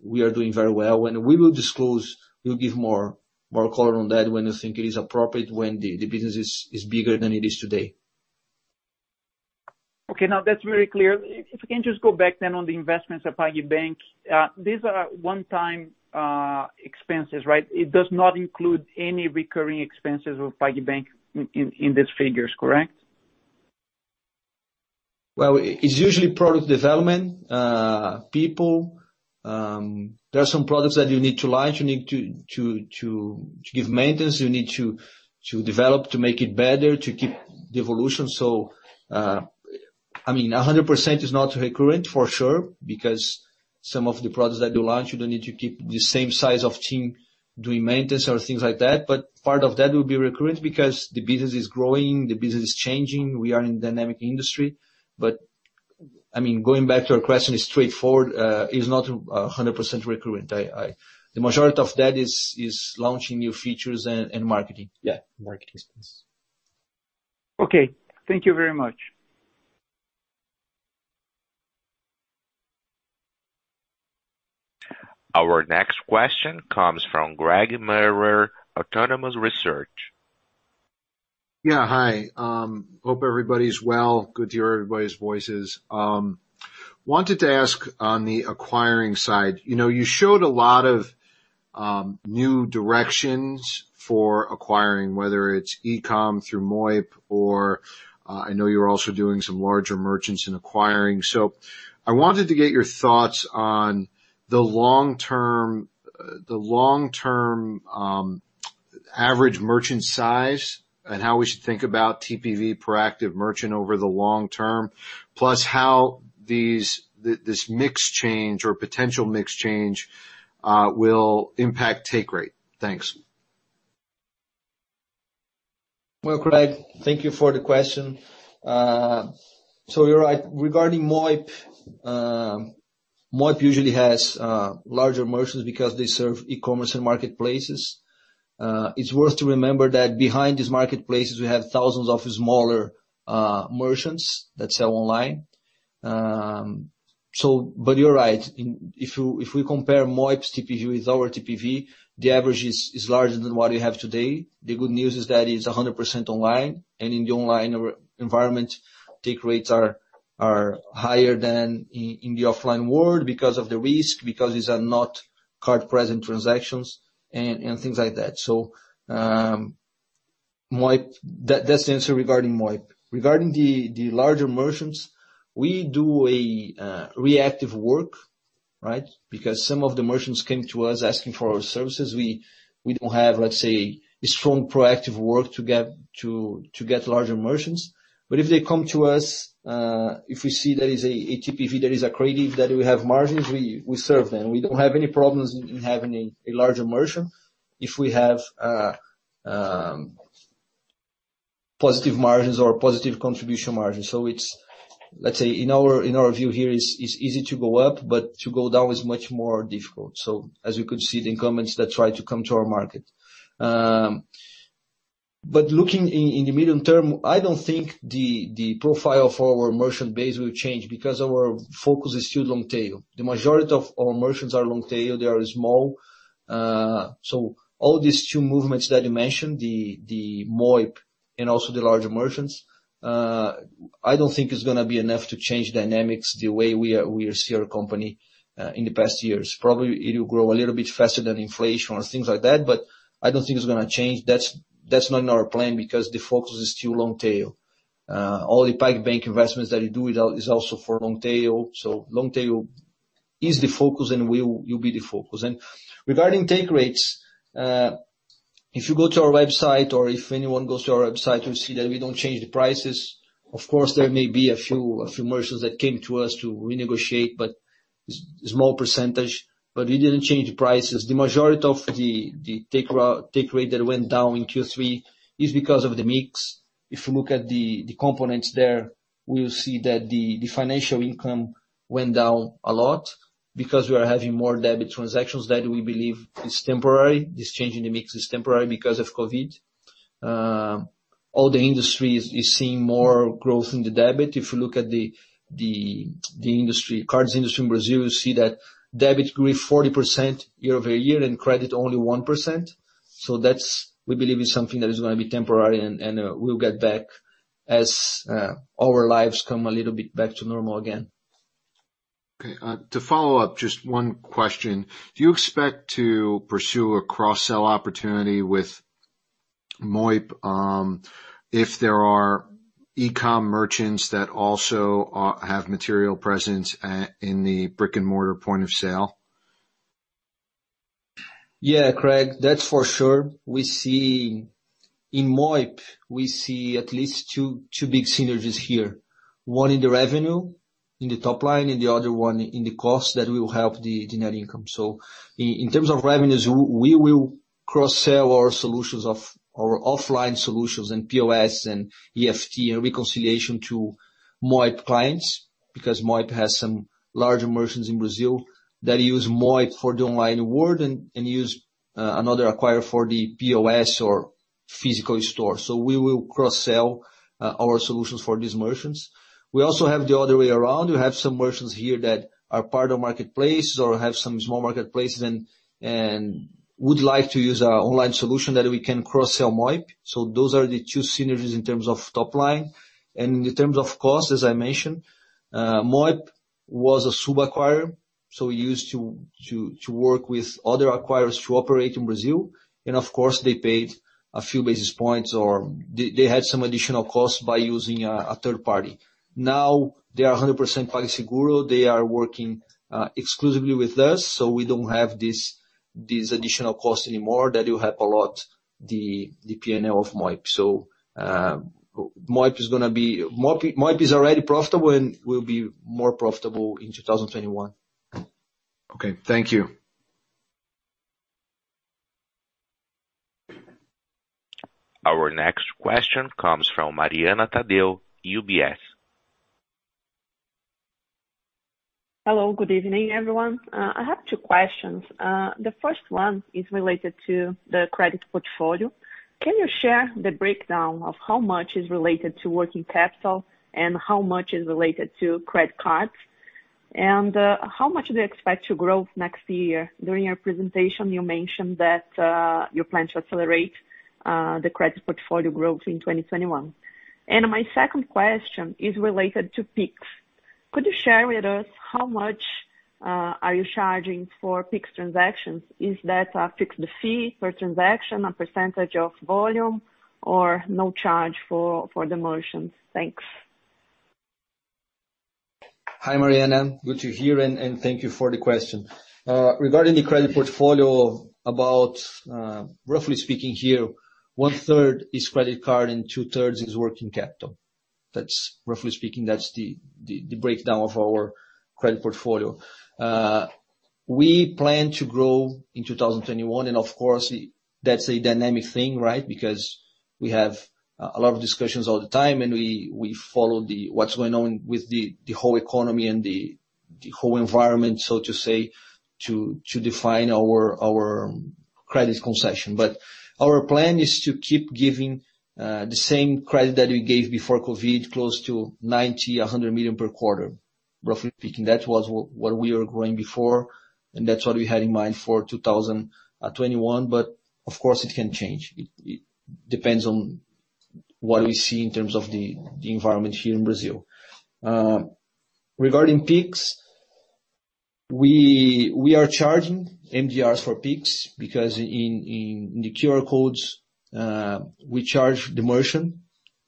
we are doing very well. When we will disclose, we'll give more color on that when we think it is appropriate when the business is bigger than it is today. Okay. Now that's very clear. If we can just go back then on the investments at PagBank. These are one-time expenses, right? It does not include any recurring expenses of PagBank in these figures, correct? Well, it's usually product development, people. There are some products that you need to launch, you need to give maintenance, you need to develop, to make it better, to keep the evolution. I mean, 100% is not recurrent for sure, because some of the products that you launch, you don't need to keep the same size of team doing maintenance or things like that. Part of that will be recurrent because the business is growing, the business is changing. We are in a dynamic industry. I mean, going back to your question, it's straightforward. It's not 100% recurrent. The majority of that is launching new features and marketing. Yeah, marketing expense. Okay. Thank you very much. Our next question comes from Craig Maurer, Autonomous Research. Yeah, hi. Hope everybody's well. Good to hear everybody's voices. Wanted to ask on the acquiring side, you showed a lot of new directions for acquiring, whether it's e-com through Moip or I know you're also doing some larger merchants in acquiring. I wanted to get your thoughts on the long-term average merchant size and how we should think about TPV per active merchant over the long term, plus how this mix change or potential mix change will impact take rate. Thanks. Craig, thank you for the question. You're right. Regarding Moip usually has larger merchants because they serve e-commerce and marketplaces. It's worth to remember that behind these marketplaces, we have thousands of smaller merchants that sell online. You're right. If we compare Moip's TPV with our TPV, the average is larger than what we have today. The good news is that it's 100% online, and in the online environment, take rates are higher than in the offline world because of the risk, because these are not card-present transactions and things like that. That's the answer regarding Moip. Regarding the larger merchants, we do a reactive work, right? Because some of the merchants came to us asking for our services. We don't have, let's say, a strong proactive work to get larger merchants. If they come to us, if we see there is a TPV, there is a credit that we have margins, we serve them. We don't have any problems in having a larger merchant if we have positive margins or positive contribution margins. It's, let's say, in our view here, it's easy to go up, but to go down is much more difficult. As you could see the incumbents that try to come to our market. Looking in the medium term, I don't think the profile for our merchant base will change because our focus is still long tail. The majority of our merchants are long tail. They are small. All these two movements that you mentioned, the Moip and also the larger merchants, I don't think it's going to be enough to change dynamics the way we see our company in the past years. Probably it will grow a little bit faster than inflation or things like that, but I don't think it's going to change. That's not in our plan because the focus is still long tail. All the PagBank investments that we do is also for long tail. Long tail is the focus and will be the focus. Regarding take rates, if you go to our website or if anyone goes to our website, you'll see that we don't change the prices. Of course, there may be a few merchants that came to us to renegotiate, but small percentage, but we didn't change the prices. The majority of the take rate that went down in Q3 is because of the mix. If you look at the components there, we will see that the financial income went down a lot because we are having more debit transactions. That we believe is temporary. This change in the mix is temporary because of COVID. All the industry is seeing more growth in the debit. If you look at the cards industry in Brazil, you'll see that debit grew 40% year-over-year and credit only 1%. That we believe is something that is going to be temporary and will get back as our lives come a little bit back to normal again. Okay. To follow up, just one question. Do you expect to pursue a cross-sell opportunity with Moip if there are e-com merchants that also have material presence in the brick-and-mortar point of sale? Yeah, Craig, that's for sure. In Moip, we see at least two big synergies here. One in the revenue, in the top line, and the other one in the cost that will help the net income. In terms of revenues, we will cross-sell our offline solutions and POS and EFT and reconciliation to Moip clients because Moip has some larger merchants in Brazil that use Moip for the online world and use another acquirer for the POS or physical store. We will cross-sell our solutions for these merchants. We also have the other way around. We have some merchants here that are part of marketplace or have some small marketplace and would like to use our online solution that we can cross-sell Moip. Those are the two synergies in terms of top line. In terms of cost, as I mentioned, Moip was a sub-acquirer, so it used to work with other acquirers to operate in Brazil. Of course, they paid a few basis points, or they had some additional costs by using a third party. Now they are 100% PagSeguro. They are working exclusively with us, so we don't have this additional cost anymore that will help a lot the P&L of Moip. Moip is already profitable and will be more profitable in 2021. Okay. Thank you. Our next question comes from Mariana Taddeo, UBS. Hello. Good evening, everyone. I have two questions. The first one is related to the credit portfolio. Can you share the breakdown of how much is related to working capital and how much is related to credit cards? How much do you expect to grow next year? During your presentation, you mentioned that you plan to accelerate the credit portfolio growth in 2021. My second question is related to Pix. Could you share with us how much are you charging for Pix transactions? Is that a fixed fee per transaction, a percentage of volume, or no charge for the merchants? Thanks. Hi, Mariana. Good to hear, and thank you for the question. Regarding the credit portfolio, about roughly speaking here, one-third is credit card and two-thirds is working capital. Roughly speaking, that's the breakdown of our credit portfolio. We plan to grow in 2021. Of course, that's a dynamic thing, right? Because we have a lot of discussions all the time, and we follow what's going on with the whole economy and the whole environment, so to say, to define our credit concession. Our plan is to keep giving the same credit that we gave before COVID, close to 90 million-100 million per quarter. Roughly speaking, that was what we were growing before, and that's what we had in mind for 2021. Of course, it can change. It depends on what we see in terms of the environment here in Brazil. Regarding Pix, we are charging MDRs for Pix because in the QR codes, we charge the merchant.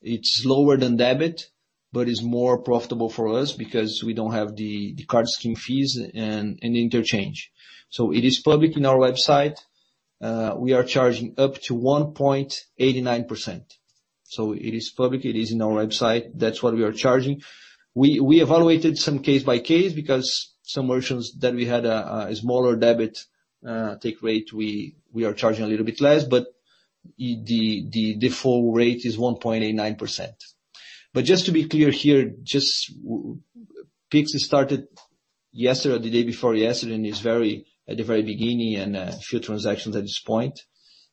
It's lower than debit, but it's more profitable for us because we don't have the card scheme fees and interchange. It is public on our website. We are charging up to 1.89%. It is public. It is on our website. That's what we are charging. We evaluated some case by case because some merchants that we had a smaller debit take rate, we are charging a little bit less, but the default rate is 1.89%. Just to be clear here, Pix started yesterday or the day before yesterday, and at the very beginning and a few transactions at this point.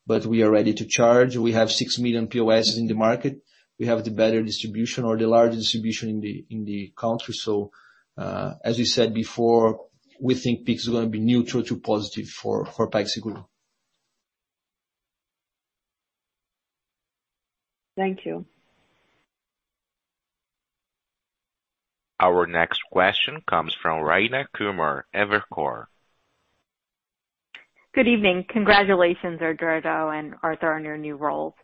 We are ready to charge. We have 6 million POS in the market. We have the better distribution or the large distribution in the country. As we said before, we think Pix is going to be neutral to positive for PagSeguro. Thank you. Our next question comes from Rayna Kumar, Evercore. Good evening. Congratulations, Eduardo and Artur, on your new roles.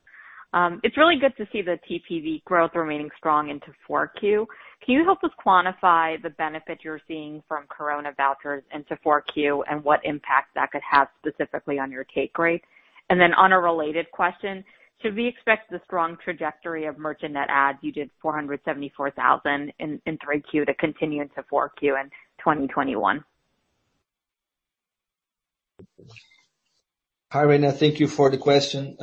It's really good to see the TPV growth remaining strong into 4Q. Can you help us quantify the benefit you're seeing from corona vouchers into 4Q and what impact that could have specifically on your take rate? On a related question, should we expect the strong trajectory of merchant net adds, you did 474,000 in 3Q to continue into 4Q in 2021? Hi, Rayna. Thank you for the question.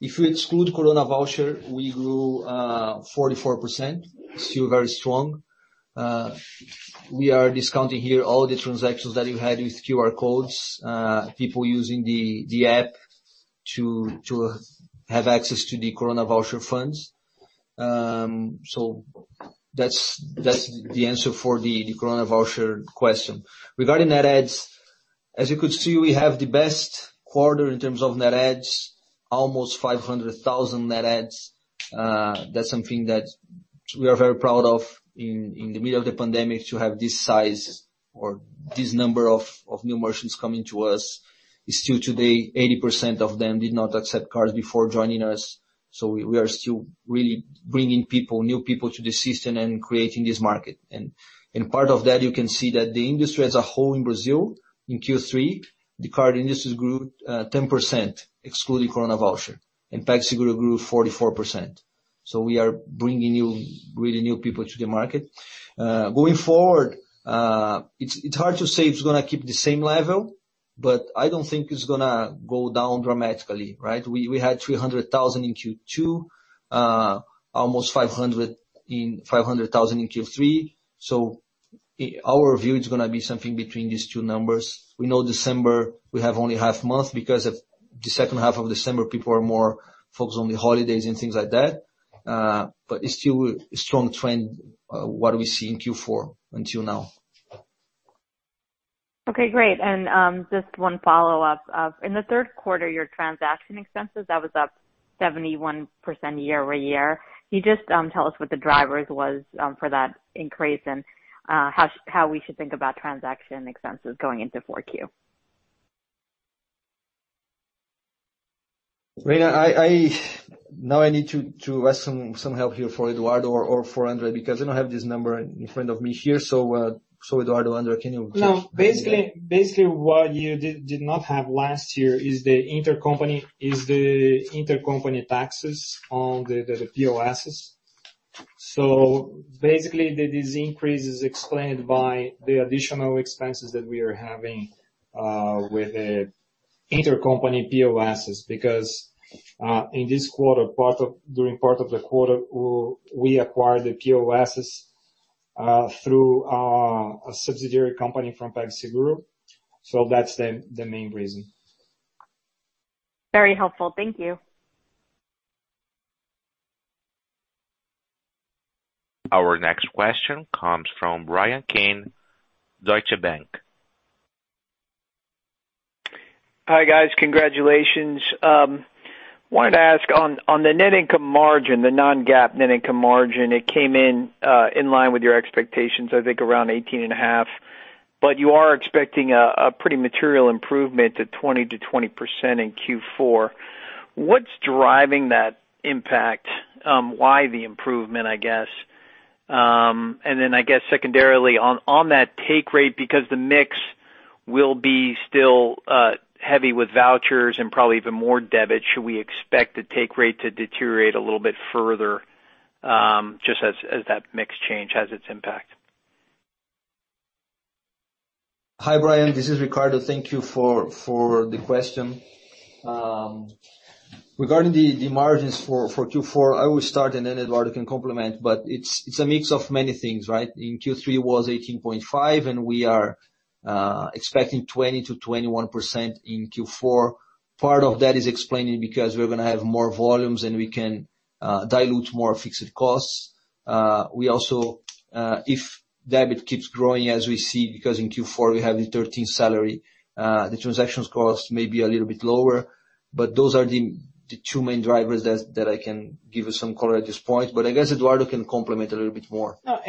If we exclude corona voucher, we grew 44%, still very strong. We are discounting here all the transactions that you had with QR codes, people using the app to have access to the corona voucher funds. That's the answer for the corona voucher question. Regarding net adds, as you could see, we have the best quarter in terms of net adds, almost 500,000 net adds. That's something that we are very proud of in the middle of the pandemic to have this size or this number of new merchants coming to us. Still today, 80% of them did not accept cards before joining us. We are still really bringing new people to the system and creating this market. In part of that, you can see that the industry as a whole in Brazil, in Q3, the card industry grew 10%, excluding corona voucher. PagSeguro grew 44%. We are bringing really new people to the market. Going forward, it's hard to say it's going to keep the same level, but I don't think it's going to go down dramatically. We had 300,000 in Q2, almost 500,000 in Q3. Our view is going to be something between these two numbers. We know December, we have only half month because of the second half of December, people are more focused on the holidays and things like that. It's still a strong trend, what we see in Q4 until now. Okay, great. Just one follow-up. In the third quarter, your transaction expenses, that was up 71% year-over-year. Can you just tell us what the drivers was for that increase and how we should think about transaction expenses going into 4Q? Rayna, I need to ask some help here for Eduardo or for André because I don't have this number in front of me here. Eduardo or André, can you help me here? No. Basically, what you did not have last year is the intercompany taxes on the POSs. Basically, this increase is explained by the additional expenses that we are having with the Intercompany POSs, because during part of the quarter, we acquired the POSs through a subsidiary company from PagSeguro. That's the main reason. Very helpful. Thank you. Our next question comes from Bryan Keane, Deutsche Bank. Hi, guys. Congratulations. Wanted to ask on the net income margin, the non-GAAP net income margin, it came in line with your expectations, I think around 18.5%, but you are expecting a pretty material improvement to 20% in Q4. What's driving that impact? Why the improvement, I guess. Then, I guess secondarily on that take rate, because the mix will be still heavy with vouchers and probably even more debit, should we expect the take rate to deteriorate a little bit further, just as that mix change has its impact? Hi, Bryan. This is Ricardo. Thank you for the question. Regarding the margins for Q4, I will start and then Eduardo can complement, it's a mix of many things, right? In Q3 was 18.5%, we are expecting 20%-21% in Q4. Part of that is explained because we're going to have more volumes, we can dilute more fixed costs. If debit keeps growing as we see, because in Q4 we have the 13th salary, the transactions cost may be a little bit lower, those are the two main drivers that I can give some color at this point, I guess Eduardo can complement a little bit more. No,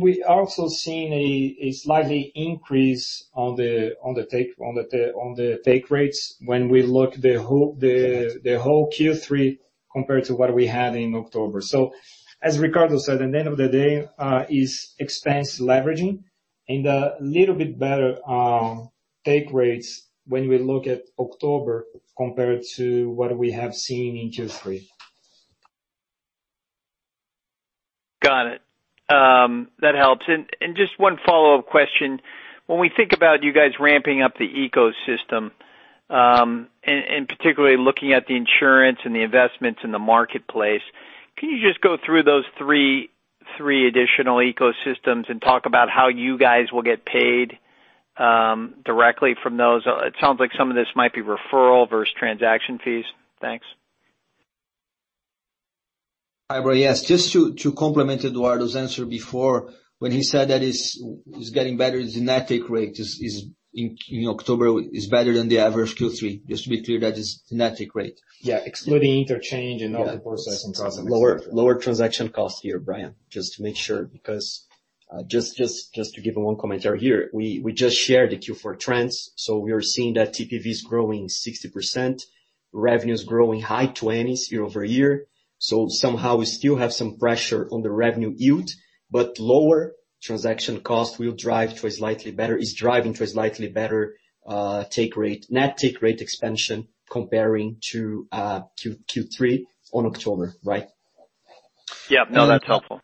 we also seen a slight increase on the take rates when we look the whole Q3 compared to what we had in October. As Ricardo said, at the end of the day, is expense leveraging and a little bit better take rates when we look at October compared to what we have seen in Q3. Got it. That helps. Just one follow-up question. When we think about you guys ramping up the ecosystem, and particularly looking at the insurance and the investments in the marketplace, can you just go through those three additional ecosystems and talk about how you guys will get paid directly from those? It sounds like some of this might be referral versus transaction fees. Thanks. Hi, Bryan. Just to complement Eduardo's answer before when he said that it's getting better, the net take rate in October is better than the average Q3. Just to be clear, that is net take rate. Yeah. Excluding interchange and other processing costs and et cetera. Lower transaction cost here, Bryan, just to make sure because just to give one commentary here, we just shared the Q4 trends. We are seeing that TPV is growing 60%, revenue is growing high twenties year-over-year. Somehow we still have some pressure on the revenue yield, but lower transaction cost is driving towards slightly better net take rate expansion comparing to Q3 on October. Right? Yeah. No, that's helpful.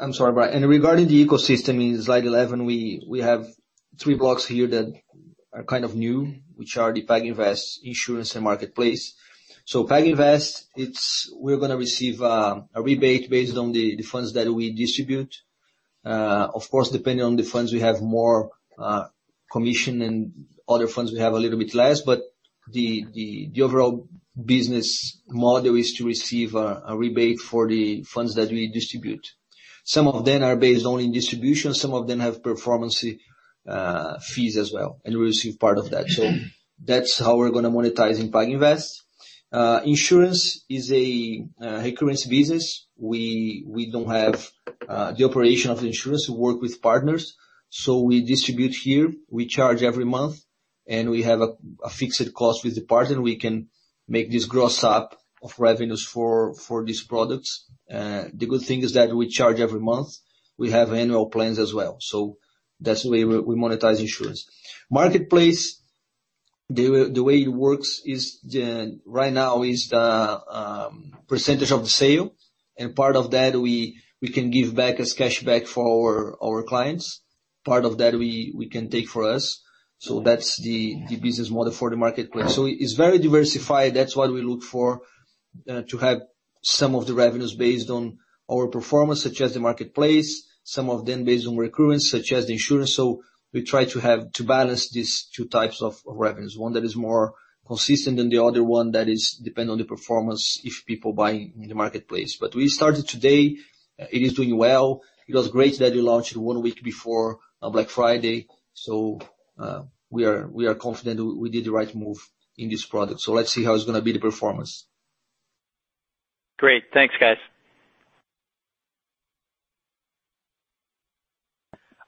I'm sorry, Bryan. Regarding the ecosystem in slide 11, we have three blocks here that are kind of new, which are the PagInvest, Insurance, and Marketplace. PagInvest, we're going to receive a rebate based on the funds that we distribute. Of course, depending on the funds, we have more commission and other funds we have a little bit less, but the overall business model is to receive a rebate for the funds that we distribute. Some of them are based only in distribution. Some of them have performance fees as well, and we receive part of that. That's how we're going to monetize in PagInvest. Insurance is a recurrence business. We don't have the operation of the insurance. We work with partners. We distribute here. We charge every month, and we have a fixed cost with the partner. We can make this gross up of revenues for these products. The good thing is that we charge every month. We have annual plans as well. That's the way we monetize insurance. Marketplace, the way it works right now is the percentage of the sale, and part of that we can give back as cash back for our clients. Part of that we can take for us, that's the business model for the marketplace. It's very diversified. That's what we look for, to have some of the revenues based on our performance, such as the marketplace, some of them based on recurrence, such as the insurance. We try to balance these two types of revenues, one that is more consistent than the other one that depend on the performance if people buy in the marketplace. We started today. It is doing well. It was great that we launched one week before Black Friday. We are confident we did the right move in this product. Let's see how it's going to be the performance. Great. Thanks, guys.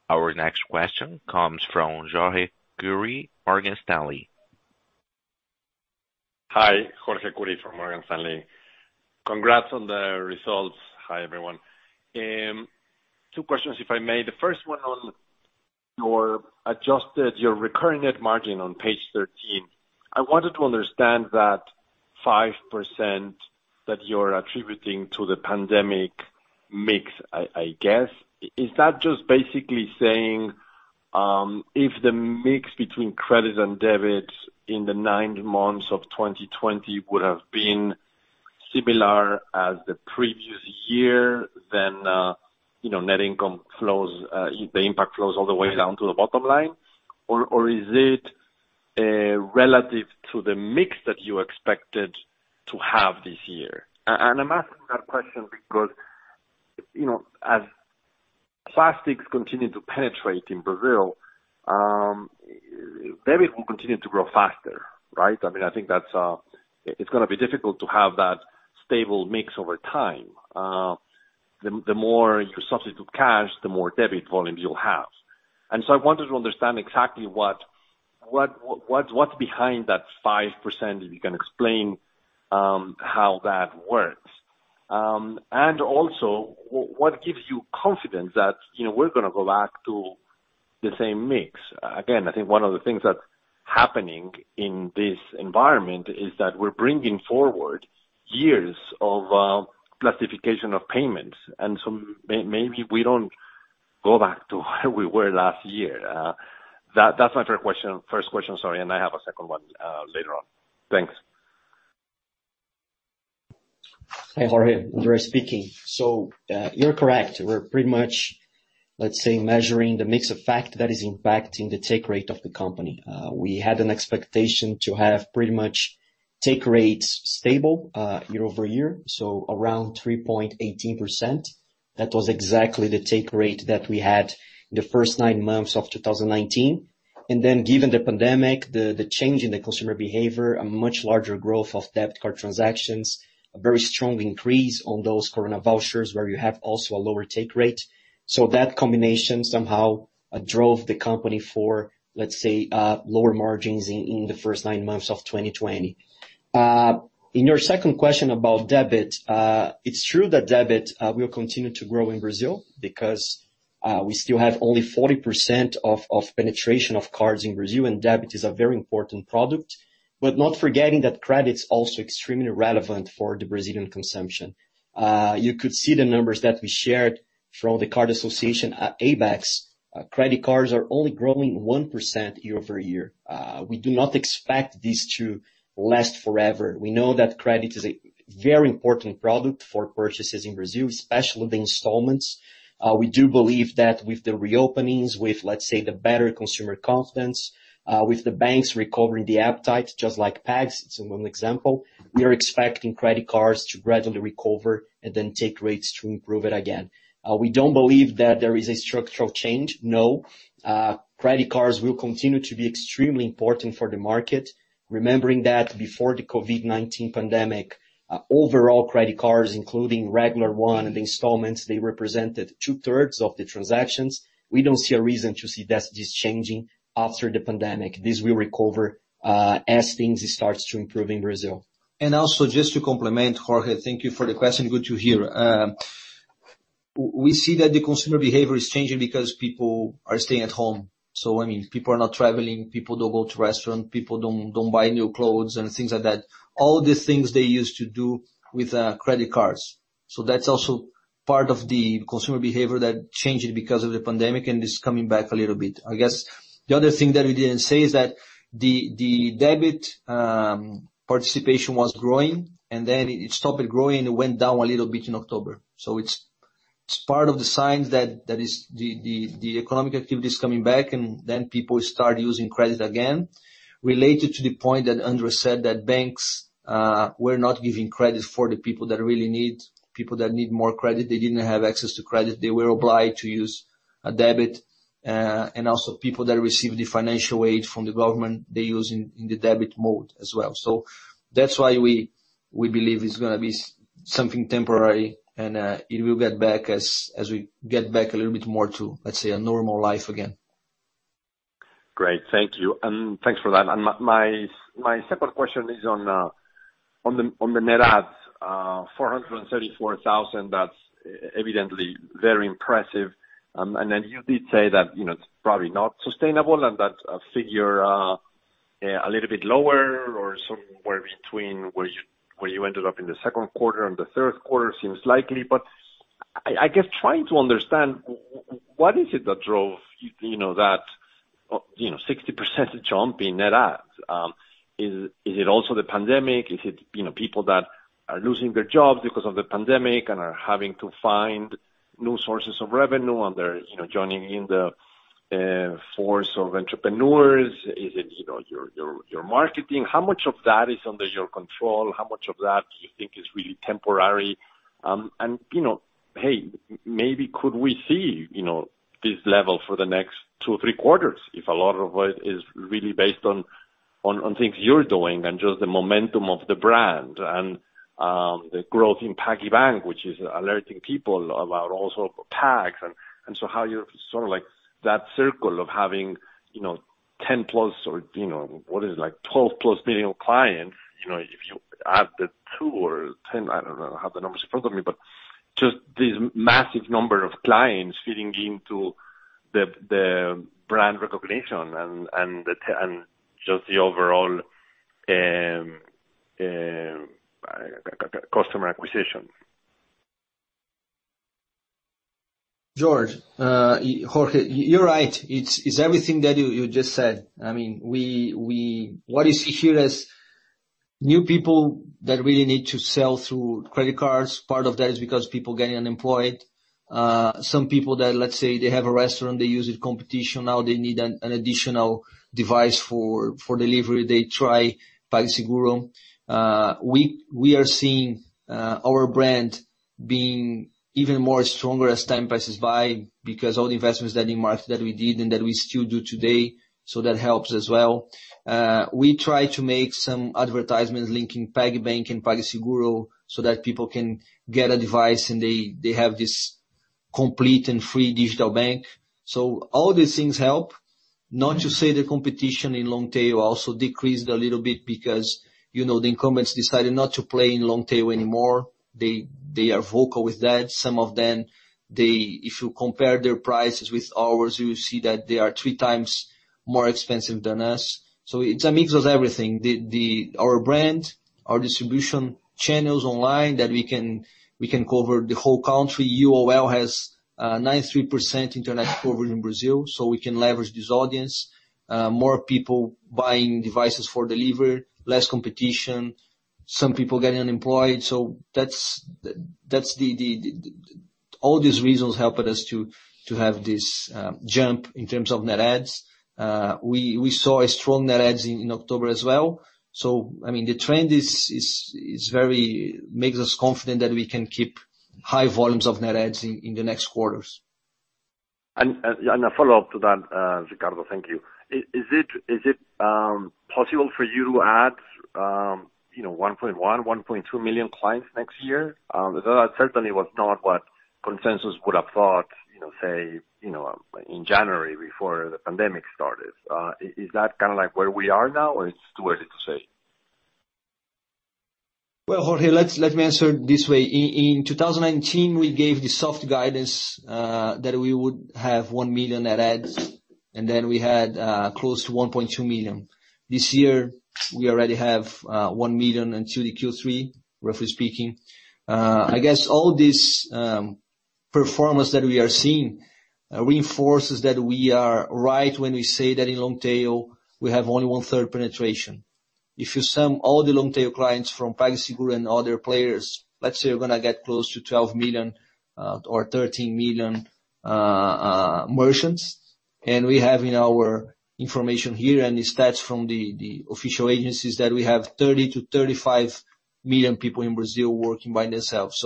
Our next question comes from Jorge Kuri, Morgan Stanley. Hi, Jorge Kuri from Morgan Stanley. Congrats on the results. Hi, everyone. Two questions, if I may. The first one on your adjusted, your recurring net margin on page 13. I wanted to understand that 5% that you're attributing to the pandemic mix, I guess. Is that just basically saying, if the mix between credit and debit in the nine months of 2020 would have been similar as the previous year, then net income flows, the impact flows all the way down to the bottom line? Or is it relative to the mix that you expected to have this year? I'm asking that question because, as plastics continue to penetrate in Brazil, debit will continue to grow faster. Right? I think it's going to be difficult to have that stable mix over time. The more you substitute cash, the more debit volumes you'll have. I wanted to understand exactly what's behind that 5%, if you can explain how that works. Also, what gives you confidence that we're going to go back to the same mix? Again, I think one of the things that's happening in this environment is that we're bringing forward years of plastification of payments. Maybe we don't go back to where we were last year. That's my first question, and I have a second one later on. Thanks. Hey, Jorge. André speaking. You're correct. We're pretty much measuring the mix effect that is impacting the take rate of the company. We had an expectation to have pretty much take rates stable year-over-year, so around 3.18%. That was exactly the take rate that we had in the first nine months of 2019. Given the pandemic, the change in the consumer behavior, a much larger growth of debit card transactions, a very strong increase on those corona vouchers, where you have also a lower take rate. That combination somehow drove the company for lower margins in the first nine months of 2020. In your second question about debit, it's true that debit will continue to grow in Brazil because we still have only 40% of penetration of cards in Brazil, and debit is a very important product. Not forgetting that credit's also extremely relevant for the Brazilian consumption. You could see the numbers that we shared from the card association, ABECS. Credit cards are only growing 1% year-over-year. We do not expect this to last forever. We know that credit is a very important product for purchases in Brazil, especially the installments. We do believe that with the reopenings, with, let's say, the better consumer confidence, with the banks recovering the appetite, just like PAGS, it's one example. We are expecting credit cards to gradually recover and then take rates to improve it again. We don't believe that there is a structural change, no. Credit cards will continue to be extremely important for the market. Remembering that before the COVID-19 pandemic, overall credit cards, including regular one and installments, they represented two-thirds of the transactions. We don't see a reason to see this changing after the pandemic. This will recover as things start to improve in Brazil. Also, just to complement, Jorge, thank you for the question. Good to hear. We see that the consumer behavior is changing because people are staying at home. People are not traveling, people don't go to restaurant, people don't buy new clothes and things like that. All the things they used to do with credit cards. That's also part of the consumer behavior that changed because of the pandemic and is coming back a little bit. I guess the other thing that we didn't say is that the debit participation was growing, and then it stopped growing and went down a little bit in October. It's part of the signs that the economic activity is coming back, and then people start using credit again. Related to the point that André said, that banks were not giving credit for the people that really need. People that need more credit, they didn't have access to credit. They were obliged to use a debit. People that receive the financial aid from the government, they use in the debit mode as well. That's why we believe it's going to be something temporary, and it will get back as we get back a little bit more to, let's say, a normal life again. Great. Thank you, and thanks for that. My second question is on the net adds, 434,000. That's evidently very impressive. Then you did say that it's probably not sustainable and that figure a little bit lower or somewhere between where you ended up in the second quarter and the third quarter seems likely, but I guess trying to understand what is it that drove that 60% jump in net adds. Is it also the pandemic? Is it people that are losing their jobs because of the pandemic and are having to find new sources of revenue, and they're joining in the force of entrepreneurs? Is it your marketing? How much of that is under your control? How much of that do you think is really temporary? Hey, maybe could we see this level for the next two or three quarters if a lot of it is really based on things you're doing and just the momentum of the brand and the growth in PagBank, which is alerting people about also PAG. How you're sort of like that circle of having 10+ million or what is it, like 12+ million clients. If you add the two or 10, I don't know, I don't have the numbers in front of me, but just this massive number of clients feeding into the brand recognition and just the overall customer acquisition. Jorge, you're right. It's everything that you just said. What you see here is new people that really need to sell through credit cards. Part of that is because people are getting unemployed. Some people, let's say, they have a restaurant, they use it competition, now they need an additional device for delivery. They try PagSeguro. We are seeing our brand being even more stronger as time passes by because all the investments that in market that we did and that we still do today. That helps as well. We try to make some advertisements linking PagBank and PagSeguro that people can get a device and they have this complete and free digital bank. All these things help. Not to say the competition in long tail also decreased a little bit because the incumbents decided not to play in long tail anymore. They are vocal with that. Some of them, if you compare their prices with ours, you see that they are 3x more expensive than us. It's a mix of everything. Our brand, our distribution channels online that we can cover the whole country. UOL has 93% internet coverage in Brazil, so we can leverage this audience. More people buying devices for delivery, less competition, some people getting unemployed. All these reasons helped us to have this jump in terms of net adds. We saw a strong net adds in October as well. The trend makes us confident that we can keep high volumes of net adds in the next quarters. A follow-up to that, Ricardo. Thank you. Is it possible for you to add 1.1 million, 1.2 million clients next year? That certainly was not what consensus would have thought, say, in January before the pandemic started. Is that kind of where we are now, or it's too early to say? Jorge, let me answer it this way. In 2019, we gave the soft guidance that we would have 1 million net adds, and then we had close to 1.2 million. This year, we already have 1 million into the Q3, roughly speaking. I guess all this performance that we are seeing reinforces that we are right when we say that in long tail, we have only one-third penetration. If you sum all the long tail clients from PagSeguro and other players, let's say you're going to get close to 12 million or 13 million merchants. We have in our information here and the stats from the official agencies that we have 30 million-35 million people in Brazil working by themselves.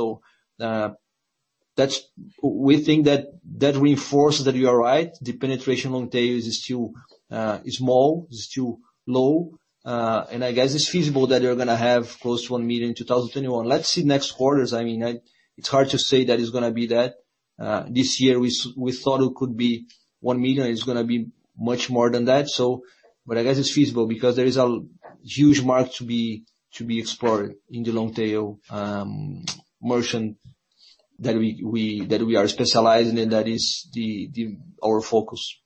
We think that reinforces that we are right. The penetration long tail is too small, is too low. I guess it's feasible that we're going to have close to 1 million in 2021. Let's see next quarters. It's hard to say that it's going to be that. This year we thought it could be 1 million, it's going to be much more than that. I guess it's feasible because there is a huge market to be explored in the long tail merchant that we are specialized in, and that is our focus.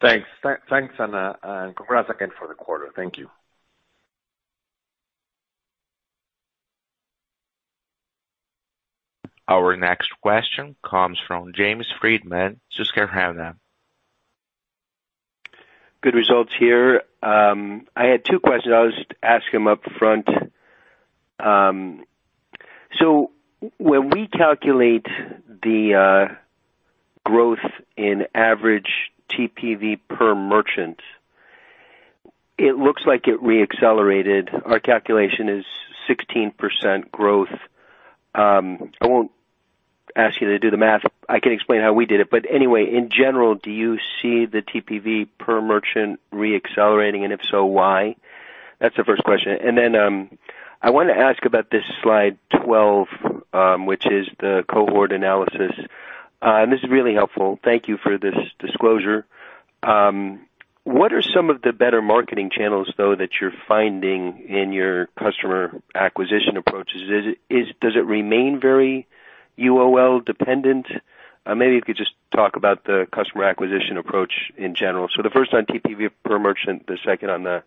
Thanks. Congrats again for the quarter. Thank you. Our next question comes from James Friedman, Susquehanna. Good results here. I had two questions. I'll just ask them up front. When we calculate the growth in average TPV per merchant, it looks like it re-accelerated. Our calculation is 16% growth. I won't ask you to do the math. I can explain how we did it, but anyway, in general, do you see the TPV per merchant re-accelerating, and if so, why? That's the first question. Then I want to ask about this slide 12, which is the cohort analysis. This is really helpful. Thank you for this disclosure. What are some of the better marketing channels, though, that you're finding in your customer acquisition approaches? Does it remain very UOL dependent? Maybe you could just talk about the customer acquisition approach in general. The first on TPV per merchant, the second on the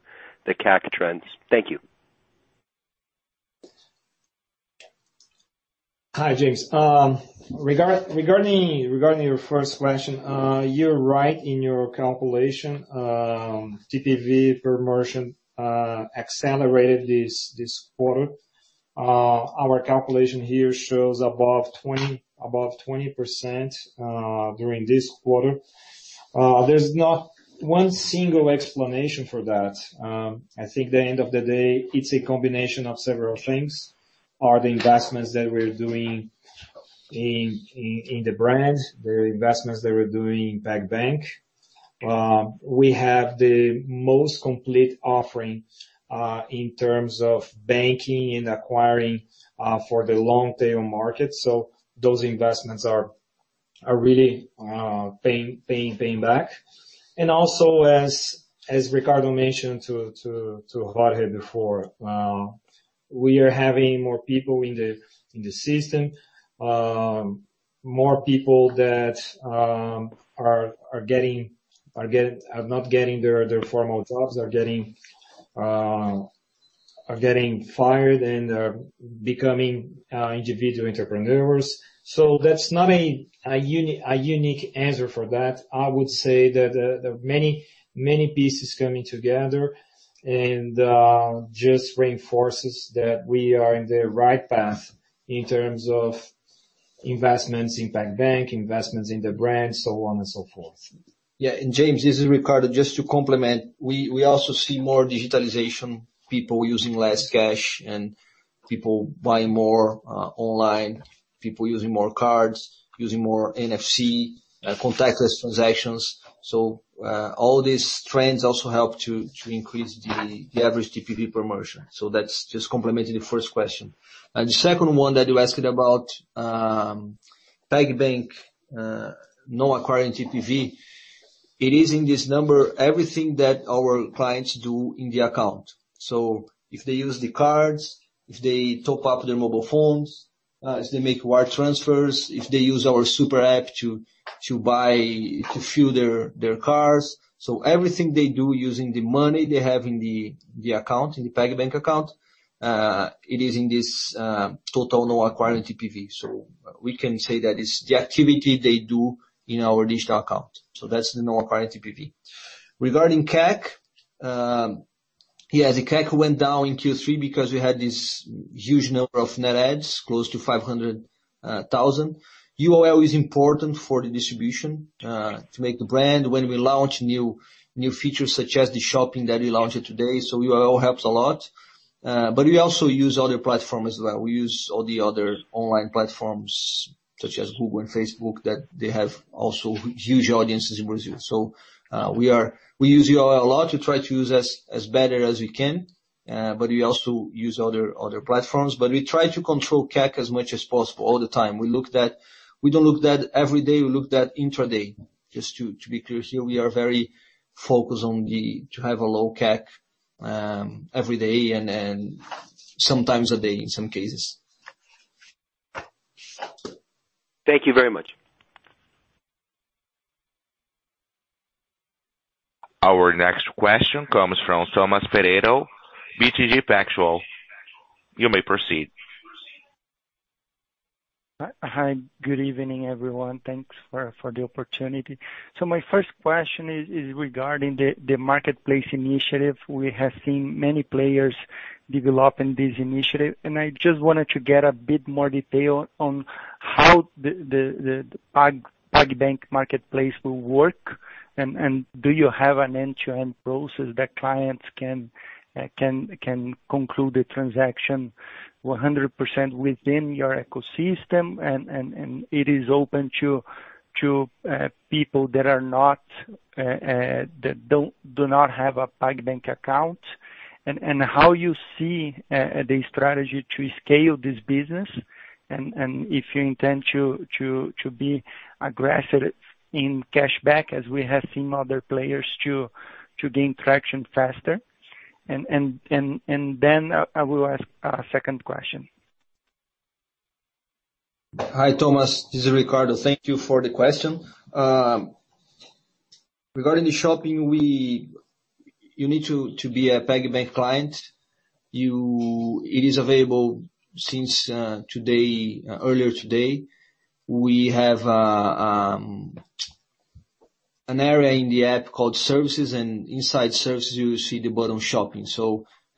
CAC trends. Thank you. Hi, James. Regarding your first question, you're right in your calculation. TPV per merchant accelerated this quarter. Our calculation here shows above 20% during this quarter. There's not one single explanation for that. I think at the end of the day, it's a combination of several things. Are the investments that we're doing in the brand, the investments that we're doing in PagBank. We have the most complete offering in terms of banking and acquiring for the long tail market. Those investments are really paying back. Also, as Ricardo mentioned to Jorge before, we are having more people in the system, more people that are not getting their formal jobs, are getting fired, and they're becoming individual entrepreneurs. That's not a unique answer for that. I would say that there are many pieces coming together, and just reinforces that we are in the right path in terms of investments in PagBank, investments in the brand, so on and so forth. Yeah. James, this is Ricardo. Just to complement, we also see more digitalization, people using less cash, and people buying more online, people using more cards, using more NFC contactless transactions. All these trends also help to increase the average TPV per merchant. That's just complementing the first question. The second one that you asked about PagBank, non-acquiring TPV. It is in this number, everything that our clients do in the account. If they use the cards, if they top up their mobile phones, as they make wire transfers, if they use our super app to buy, to fuel their cars. Everything they do using the money they have in the account, in the PagBank account, it is in this total non-acquiring TPV. We can say that it's the activity they do in our digital account. That's the non-acquiring TPV. Regarding CAC. Yeah, the CAC went down in Q3 because we had this huge number of net adds, close to 500,000. UOL is important for the distribution, to make the brand when we launch new features such as the shopping that we launched today. UOL helps a lot. We also use other platforms as well. We use all the other online platforms such as Google and Facebook, that they have also huge audiences in Brazil. We use UOL a lot to try to use as better as we can. We also use other platforms. We try to control CAC as much as possible all the time. We don't look at that every day, we look at that intraday. Just to be clear here, we are very focused to have a low CAC, every day and sometimes a day in some cases. Thank you very much. Our next question comes from Thomas Peredo, BTG Pactual. You may proceed. Hi. Good evening, everyone. Thanks for the opportunity. My first question is regarding the marketplace initiative. We have seen many players developing this initiative, and I just wanted to get a bit more detail on how the PagBank marketplace will work, and do you have an end-to-end process that clients can conclude the transaction 100% within your ecosystem, and it is open to people that do not have a PagBank account? How you see the strategy to scale this business, and if you intend to be aggressive in cashback as we have seen other players to gain traction faster. I will ask a second question. Hi, Thomas. This is Ricardo. Thank you for the question. Regarding the Shopping, you need to be a PagBank client. It is available since earlier today. We have an area in the app called Services. Inside Services, you see the button Shopping.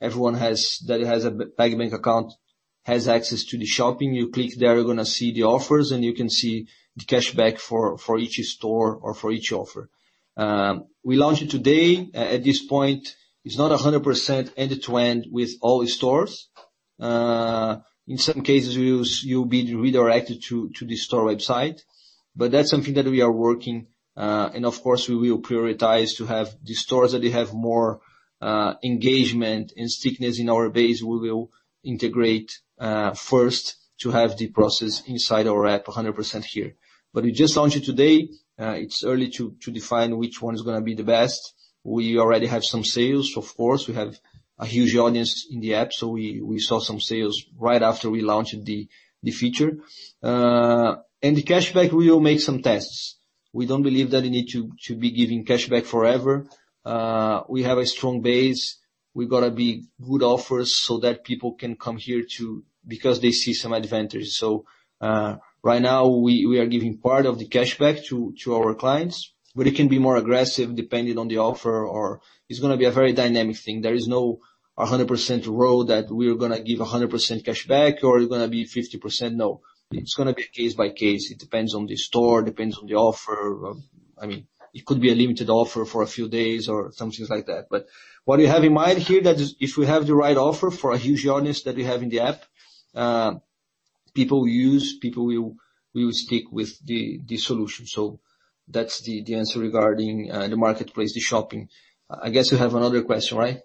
Everyone that has a PagBank account has access to the Shopping. You click there, you're going to see the offers, and you can see the cashback for each store or for each offer. We launched it today. At this point, it's not 100% end-to-end with all the stores. In certain cases, you'll be redirected to the store website. That's something that we are working. Of course, we will prioritize to have the stores that they have more engagement and stickiness in our base. We will integrate first to have the process inside our app 100% here. We just launched it today. It's early to define which one is going to be the best. We already have some sales. Of course, we have a huge audience in the app, so we saw some sales right after we launched the feature. The cashback, we will make some tests. We don't believe that we need to be giving cashback forever. We have a strong base. We've got to be good offers so that people can come here too, because they see some advantage. Right now we are giving part of the cashback to our clients, but it can be more aggressive depending on the offer, or it's going to be a very dynamic thing. There is no 100% rule that we're going to give 100% cashback, or it's going to be 50%. No. It's going to be case by case. It depends on the store, depends on the offer. It could be a limited offer for a few days or something like that. What we have in mind here, that if we have the right offer for a huge audience that we have in the app, people will use, people will stick with the solution. That's the answer regarding the marketplace, the shopping. I guess you have another question, right?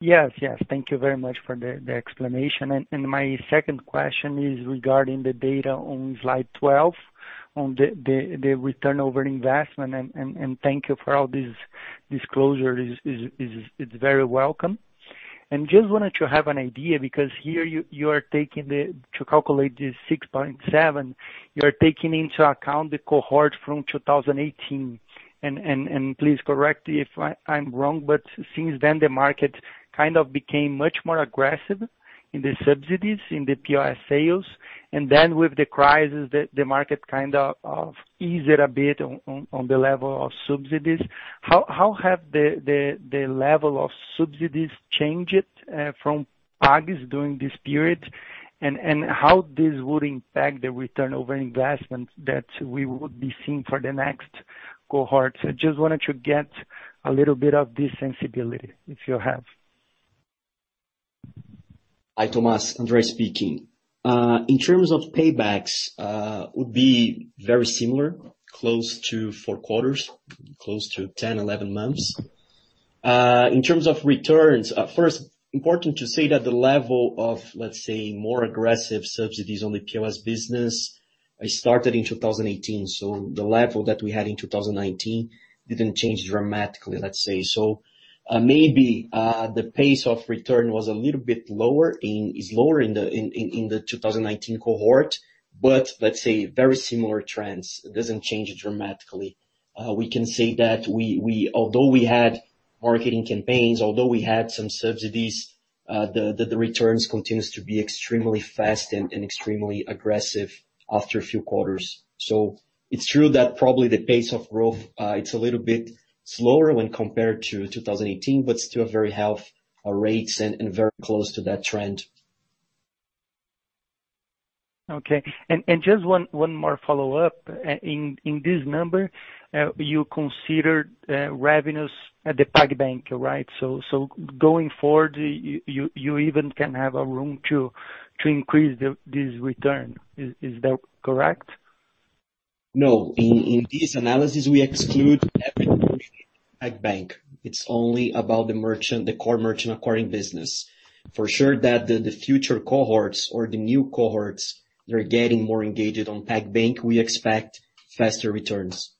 Yes. Thank you very much for the explanation. My second question is regarding the data on slide 12 on the return over investment, and thank you for all this disclosure. It's very welcome. Just wanted to have an idea, because here you are taking to calculate this 6.7, you're taking into account the cohort from 2018. Please correct me if I'm wrong, but since then the market kind of became much more aggressive in the subsidies, in the POS sales, and then with the crisis, the market kind of eased a bit on the level of subsidies. How have the level of subsidies changed from PAGS during this period, and how this would impact the return over investment that we would be seeing for the next cohort? Just wanted to get a little bit of this sensibility, if you have. Hi, Thomas. André speaking. In terms of paybacks, would be very similar, close to four quarters, close to 10, 11 months. In terms of returns, first, important to say that the level of, let's say, more aggressive subsidies on the POS business started in 2018. The level that we had in 2019 didn't change dramatically, let's say. Maybe the pace of return was a little bit lower in the 2019 cohort, but let's say very similar trends. It doesn't change dramatically. We can say that although we had marketing campaigns, although we had some subsidies, the returns continues to be extremely fast and extremely aggressive after a few quarters. It's true that probably the pace of growth, it's a little bit slower when compared to 2018, but still a very healthy rates and very close to that trend. Okay. Just one more follow-up. In this number, you considered revenues at the PagBank, right? Going forward, you even can have a room to increase this return. Is that correct? No. In this analysis, we exclude every portion of PagBank. It's only about the core merchant acquiring business. For sure that the future cohorts or the new cohorts, they're getting more engaged on PagBank, we expect faster returns.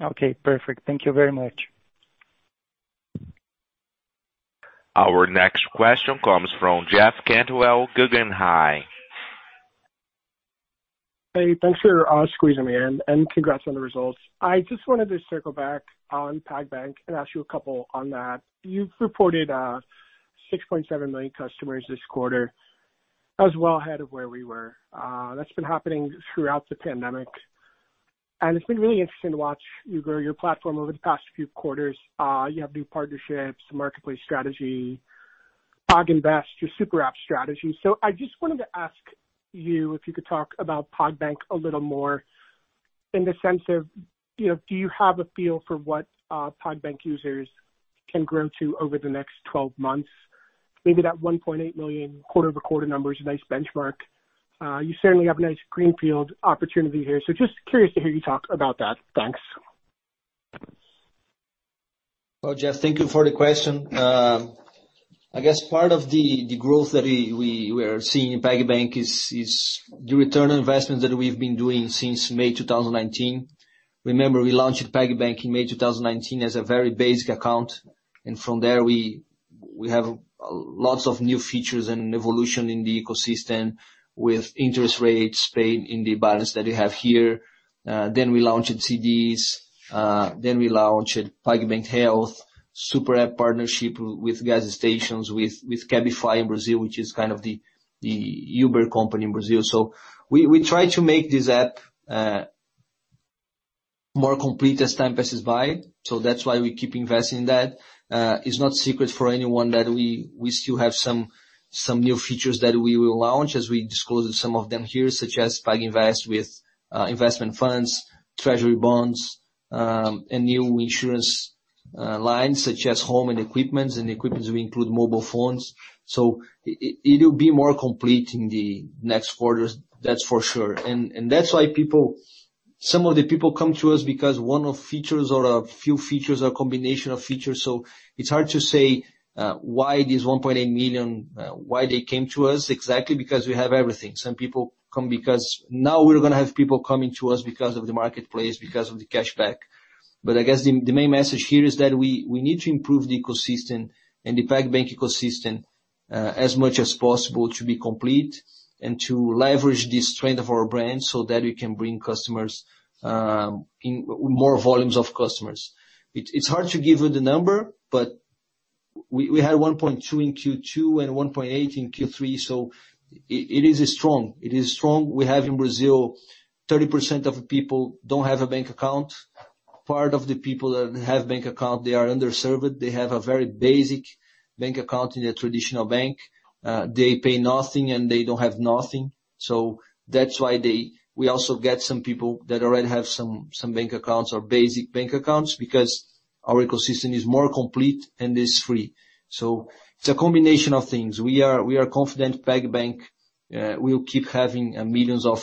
Okay, perfect. Thank you very much. Our next question comes from Jeff Cantwell, Guggenheim. Hey, thanks for squeezing me in. Congrats on the results. I just wanted to circle back on PagBank and ask you a couple on that. You've reported 6.7 million customers this quarter. That was well ahead of where we were. That's been happening throughout the pandemic. It's been really interesting to watch you grow your platform over the past few quarters. You have new partnerships, marketplace strategy, PagInvest, your super app strategy. I just wanted to ask you if you could talk about PagBank a little more in the sense of, do you have a feel for what PagBank users can grow to over the next 12 months? Maybe that 1.8 million quarter-over-quarter number is a nice benchmark. You certainly have a nice greenfield opportunity here. Just curious to hear you talk about that. Thanks. Jeff, thank you for the question. I guess part of the growth that we were seeing in PagBank is the return on investment that we've been doing since May 2019. Remember, we launched PagBank in May 2019 as a very basic account, from there we have lots of new features and evolution in the ecosystem with interest rates paid in the balance that we have here. We launched CDBs, we launched PagBank Health, super app partnership with gas stations, with Cabify in Brazil, which is kind of the Uber company in Brazil. We try to make this app more complete as time passes by. That's why we keep investing in that. It's not secret for anyone that we still have some new features that we will launch as we disclosed some of them here, such as PagInvest with investment funds, treasury bonds, and new insurance lines such as home and equipments. In equipments, we include mobile phones. It will be more complete in the next quarters, that's for sure. That's why some of the people come to us because one of features or a few features or combination of features. It's hard to say why this 1.8 million, why they came to us exactly because we have everything. Some people come because now we're going to have people coming to us because of the marketplace, because of the cashback. I guess the main message here is that we need to improve the ecosystem and the PagBank ecosystem, as much as possible to be complete and to leverage the strength of our brand so that we can bring more volumes of customers. It's hard to give you the number, but we had 1.2 million in Q2 and 1.8 million in Q3, so it is strong. We have in Brazil, 30% of people don't have a bank account. Part of the people that have bank account, they are underserved. They have a very basic bank account in a traditional bank. They pay nothing, and they don't have nothing. That's why we also get some people that already have some bank accounts or basic bank accounts because our ecosystem is more complete and is free. It's a combination of things. We are confident PagBank- Yeah. We'll keep having millions of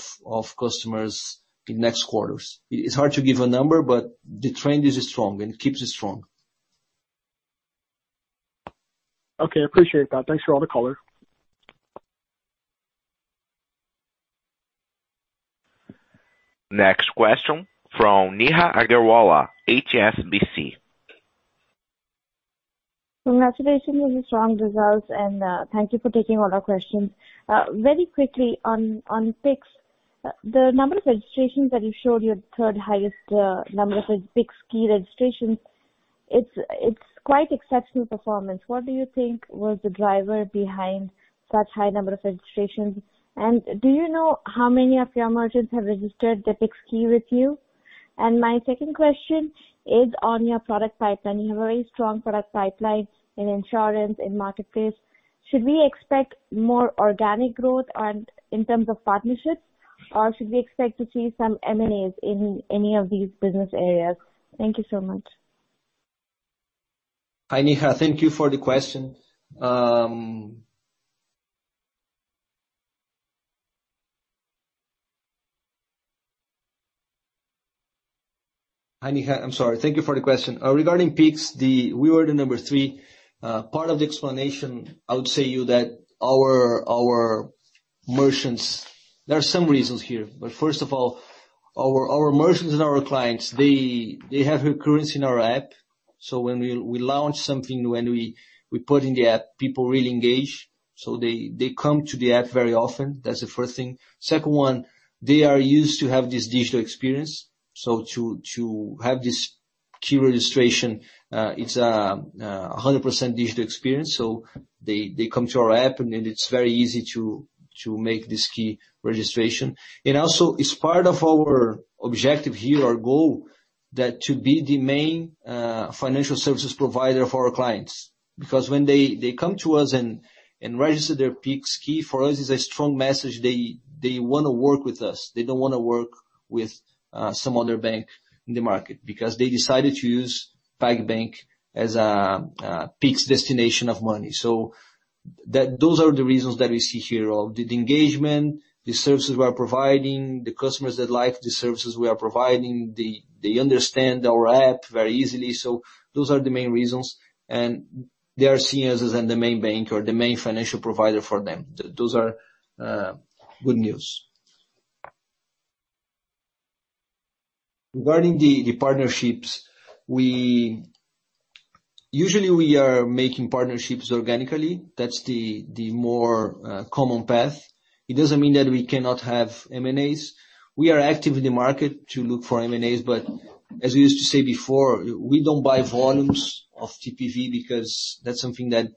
customers in next quarters. It's hard to give a number, but the trend is strong and keeps strong. Okay. Appreciate that. Thanks for all the color. Next question from Neha Agarwala, HSBC. Congratulations on the strong results. Thank you for taking all our questions. Very quickly on Pix, the number of registrations that you showed, your third highest number of Pix key registrations, it's quite exceptional performance. What do you think was the driver behind such high number of registrations? Do you know how many of your merchants have registered the Pix key with you? My second question is on your product pipeline. You have a very strong product pipeline in insurance, in marketplace. Should we expect more organic growth and in terms of partnerships? Should we expect to see some M&As in any of these business areas? Thank you so much. Hi, Neha. Thank you for the question. Hi, Neha. I'm sorry. Thank you for the question. Regarding Pix, we were the number three. Part of the explanation, I would say to you that our merchants. There are some reasons here. First of all, our merchants and our clients, they have recurrence in our app. When we launch something, when we put in the app, people really engage. They come to the app very often. That's the first thing. Second one, they are used to have this digital experience. To have this key registration, it's 100% digital experience. They come to our app, then it's very easy to make this key registration. Also, it's part of our objective here, our goal, that to be the main financial services provider for our clients. When they come to us and register their Pix key, for us, it's a strong message they want to work with us. They don't want to work with some other bank in the market. They decided to use PagBank as a Pix destination of money. Those are the reasons that we see here. The engagement, the services we're providing, the customers that like the services we are providing, they understand our app very easily. Those are the main reasons, and they are seeing us as the main bank or the main financial provider for them. Those are good news. Regarding the partnerships, usually we are making partnerships organically. That's the more common path. It doesn't mean that we cannot have M&As. We are active in the market to look for M&As, but as we used to say before, we don't buy volumes of TPV because that's something that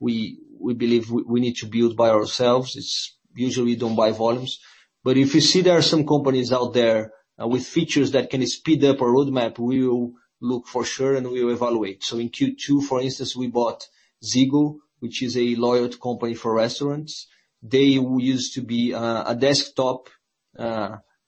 we believe we need to build by ourselves. It's usually we don't buy volumes. If you see there are some companies out there with features that can speed up our roadmap, we will look for sure, and we will evaluate. In Q2, for instance, we bought ZYGO, which is a loyalty company for restaurants. They used to be a desktop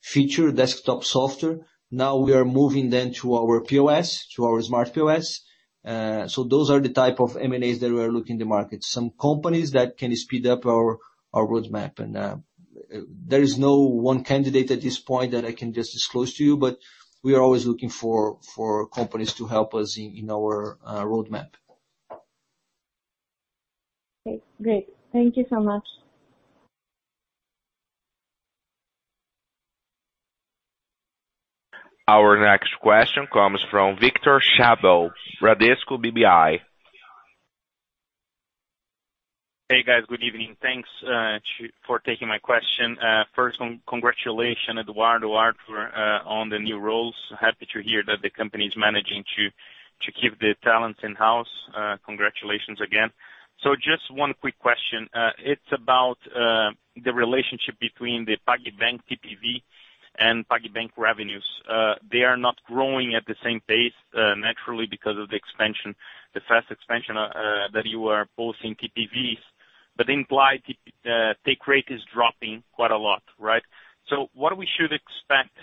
feature, desktop software. Now we are moving them to our POS, to our smart POS. Those are the type of M&As that we are looking to market. Some companies that can speed up our roadmap. There is no one candidate at this point that I can just disclose to you, but we are always looking for companies to help us in our roadmap. Okay, great. Thank you so much. Our next question comes from Victor Schabbel, Bradesco BBI. Hey, guys. Good evening. Thanks for taking my question. First, congratulations, Eduardo, Artur, on the new roles. Happy to hear that the company is managing to keep the talents in-house. Congratulations again. Just one quick question. It's about the relationship between the PagBank TPV and PagBank revenues. They are not growing at the same pace, naturally, because of the expansion, the fast expansion that you are posting TPVs. Implied take rate is dropping quite a lot, right? What we should expect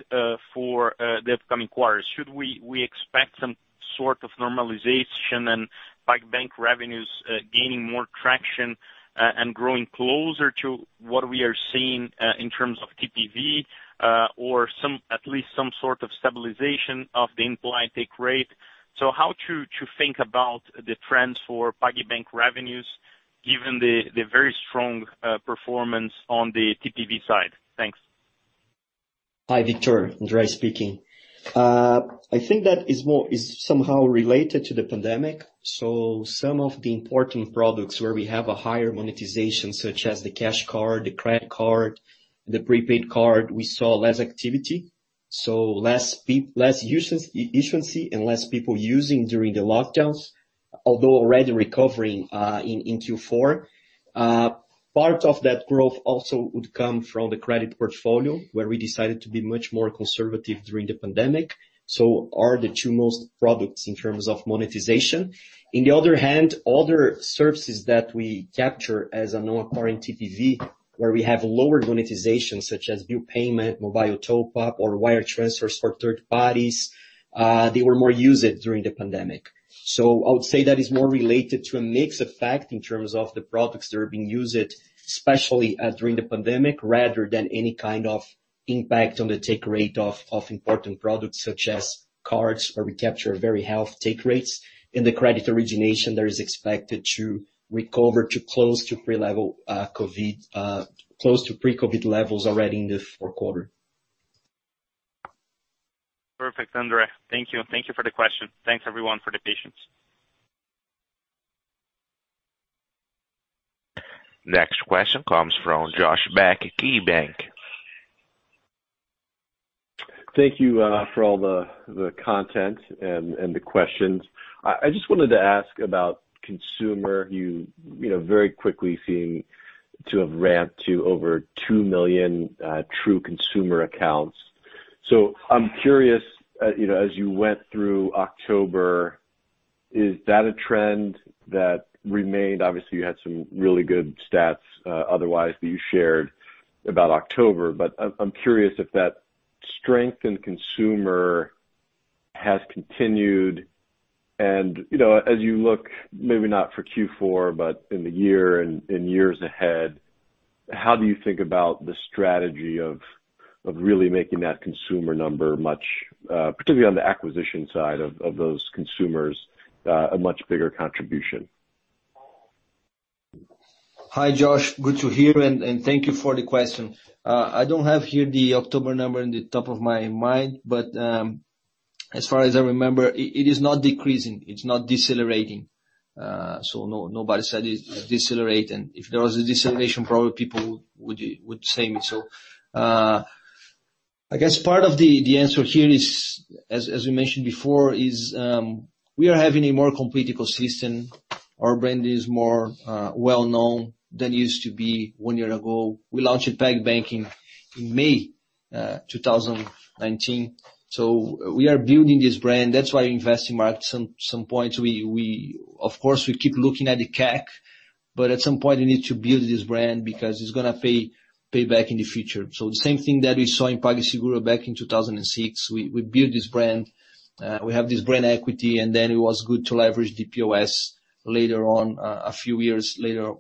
for the upcoming quarters? Should we expect some sort of normalization and PagBank revenues gaining more traction, and growing closer to what we are seeing, in terms of TPV? At least some sort of stabilization of the implied take rate. How to think about the trends for PagBank revenues, given the very strong performance on the TPV side? Thanks. Hi, Victor. André speaking. I think that is somehow related to the pandemic. Some of the important products where we have a higher monetization, such as the cash card, the credit card, the prepaid card, we saw less activity. Less efficiency and less people using during the lockdowns, although already recovering in Q4. Part of that growth also would come from the credit portfolio, where we decided to be much more conservative during the pandemic. Are the two most products in terms of monetization. In the other hand, other services that we capture as a non-occurring TPV, where we have lower monetization such as bill payment, mobile top up, or wire transfers for third parties, they were more used during the pandemic. I would say that is more related to a mix effect in terms of the products that are being used, especially during the pandemic, rather than any kind of impact on the take rate of important products such as cards, where we capture very healthy take rates. In the credit origination, that is expected to recover to close to pre-COVID levels already in the fourth quarter. Perfect, André. Thank you. Thank you for the question. Thanks, everyone, for the patience. Next question comes from Josh Beck, KeyBanc. Thank you for all the content and the questions. I just wanted to ask about consumer. You very quickly seem to have ramped to over 2 million true consumer accounts. I'm curious, as you went through October, is that a trend that remained? Obviously, you had some really good stats, otherwise, that you shared about October. I'm curious if that strength in consumer has continued and, as you look, maybe not for Q4, but in the year and in years ahead, how do you think about the strategy of really making that consumer number, particularly on the acquisition side of those consumers, a much bigger contribution? Hi, Josh. Good to hear. Thank you for the question. I don't have here the October number in the top of my mind. As far as I remember, it is not decreasing. It's not decelerating. No, nobody said it decelerate. If there was a deceleration, probably people would say it. I guess part of the answer here is, as we mentioned before, we are having a more competitive ecosystem. Our brand is more well-known than it used to be one year ago. We launched PagBank in May 2019. We are building this brand. That's why investing market, of course, we keep looking at the CAC. At some point, we need to build this brand because it's going to pay back in the future. The same thing that we saw in PagSeguro back in 2006. We built this brand, we have this brand equity, and then it was good to leverage the POS later on, a few years later.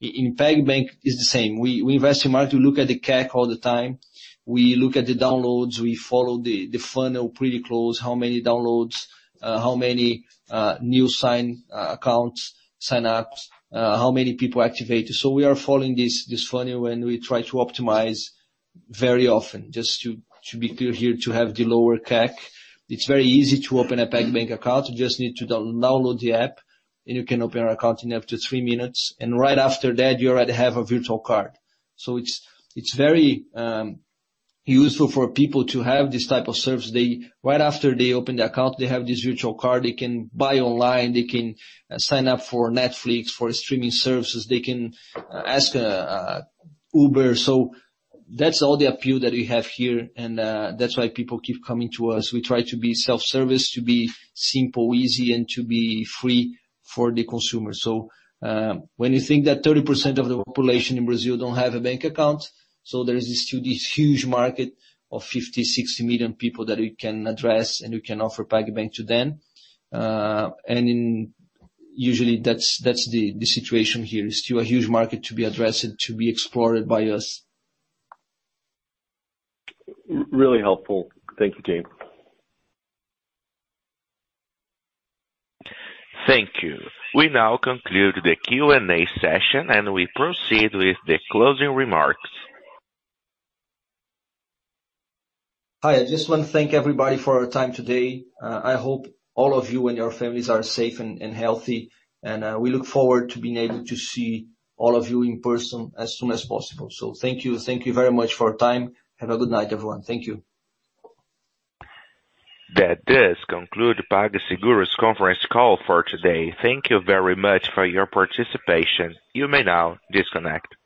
In PagBank, it's the same. We invest in market. We look at the CAC all the time. We look at the downloads. We follow the funnel pretty close. How many downloads, how many new sign accounts, sign-ups, how many people activated. We are following this funnel when we try to optimize very often, just to be clear here, to have the lower CAC. It's very easy to open a PagBank account. You just need to download the app, and you can open an account in up to three minutes, and right after that, you already have a virtual card. It's very useful for people to have this type of service. Right after they open the account, they have this virtual card. They can buy online. They can sign up for Netflix, for streaming services. They can ask Uber. That's all the appeal that we have here, and that's why people keep coming to us. We try to be self-service, to be simple, easy, and to be free for the consumer. When you think that 30% of the population in Brazil don't have a bank account, so there is still this huge market of 50, 60 million people that we can address, and we can offer PagBank to them. Usually that's the situation here. It's still a huge market to be addressed and to be explored by us. Really helpful. Thank you, team. Thank you. We now conclude the Q&A session, and we proceed with the closing remarks. Hi. I just want to thank everybody for your time today. I hope all of you and your families are safe and healthy, and we look forward to being able to see all of you in person as soon as possible. Thank you. Thank you very much for your time. Have a good night, everyone. Thank you. That does conclude PagSeguro's conference call for today. Thank you very much for your participation. You may now disconnect.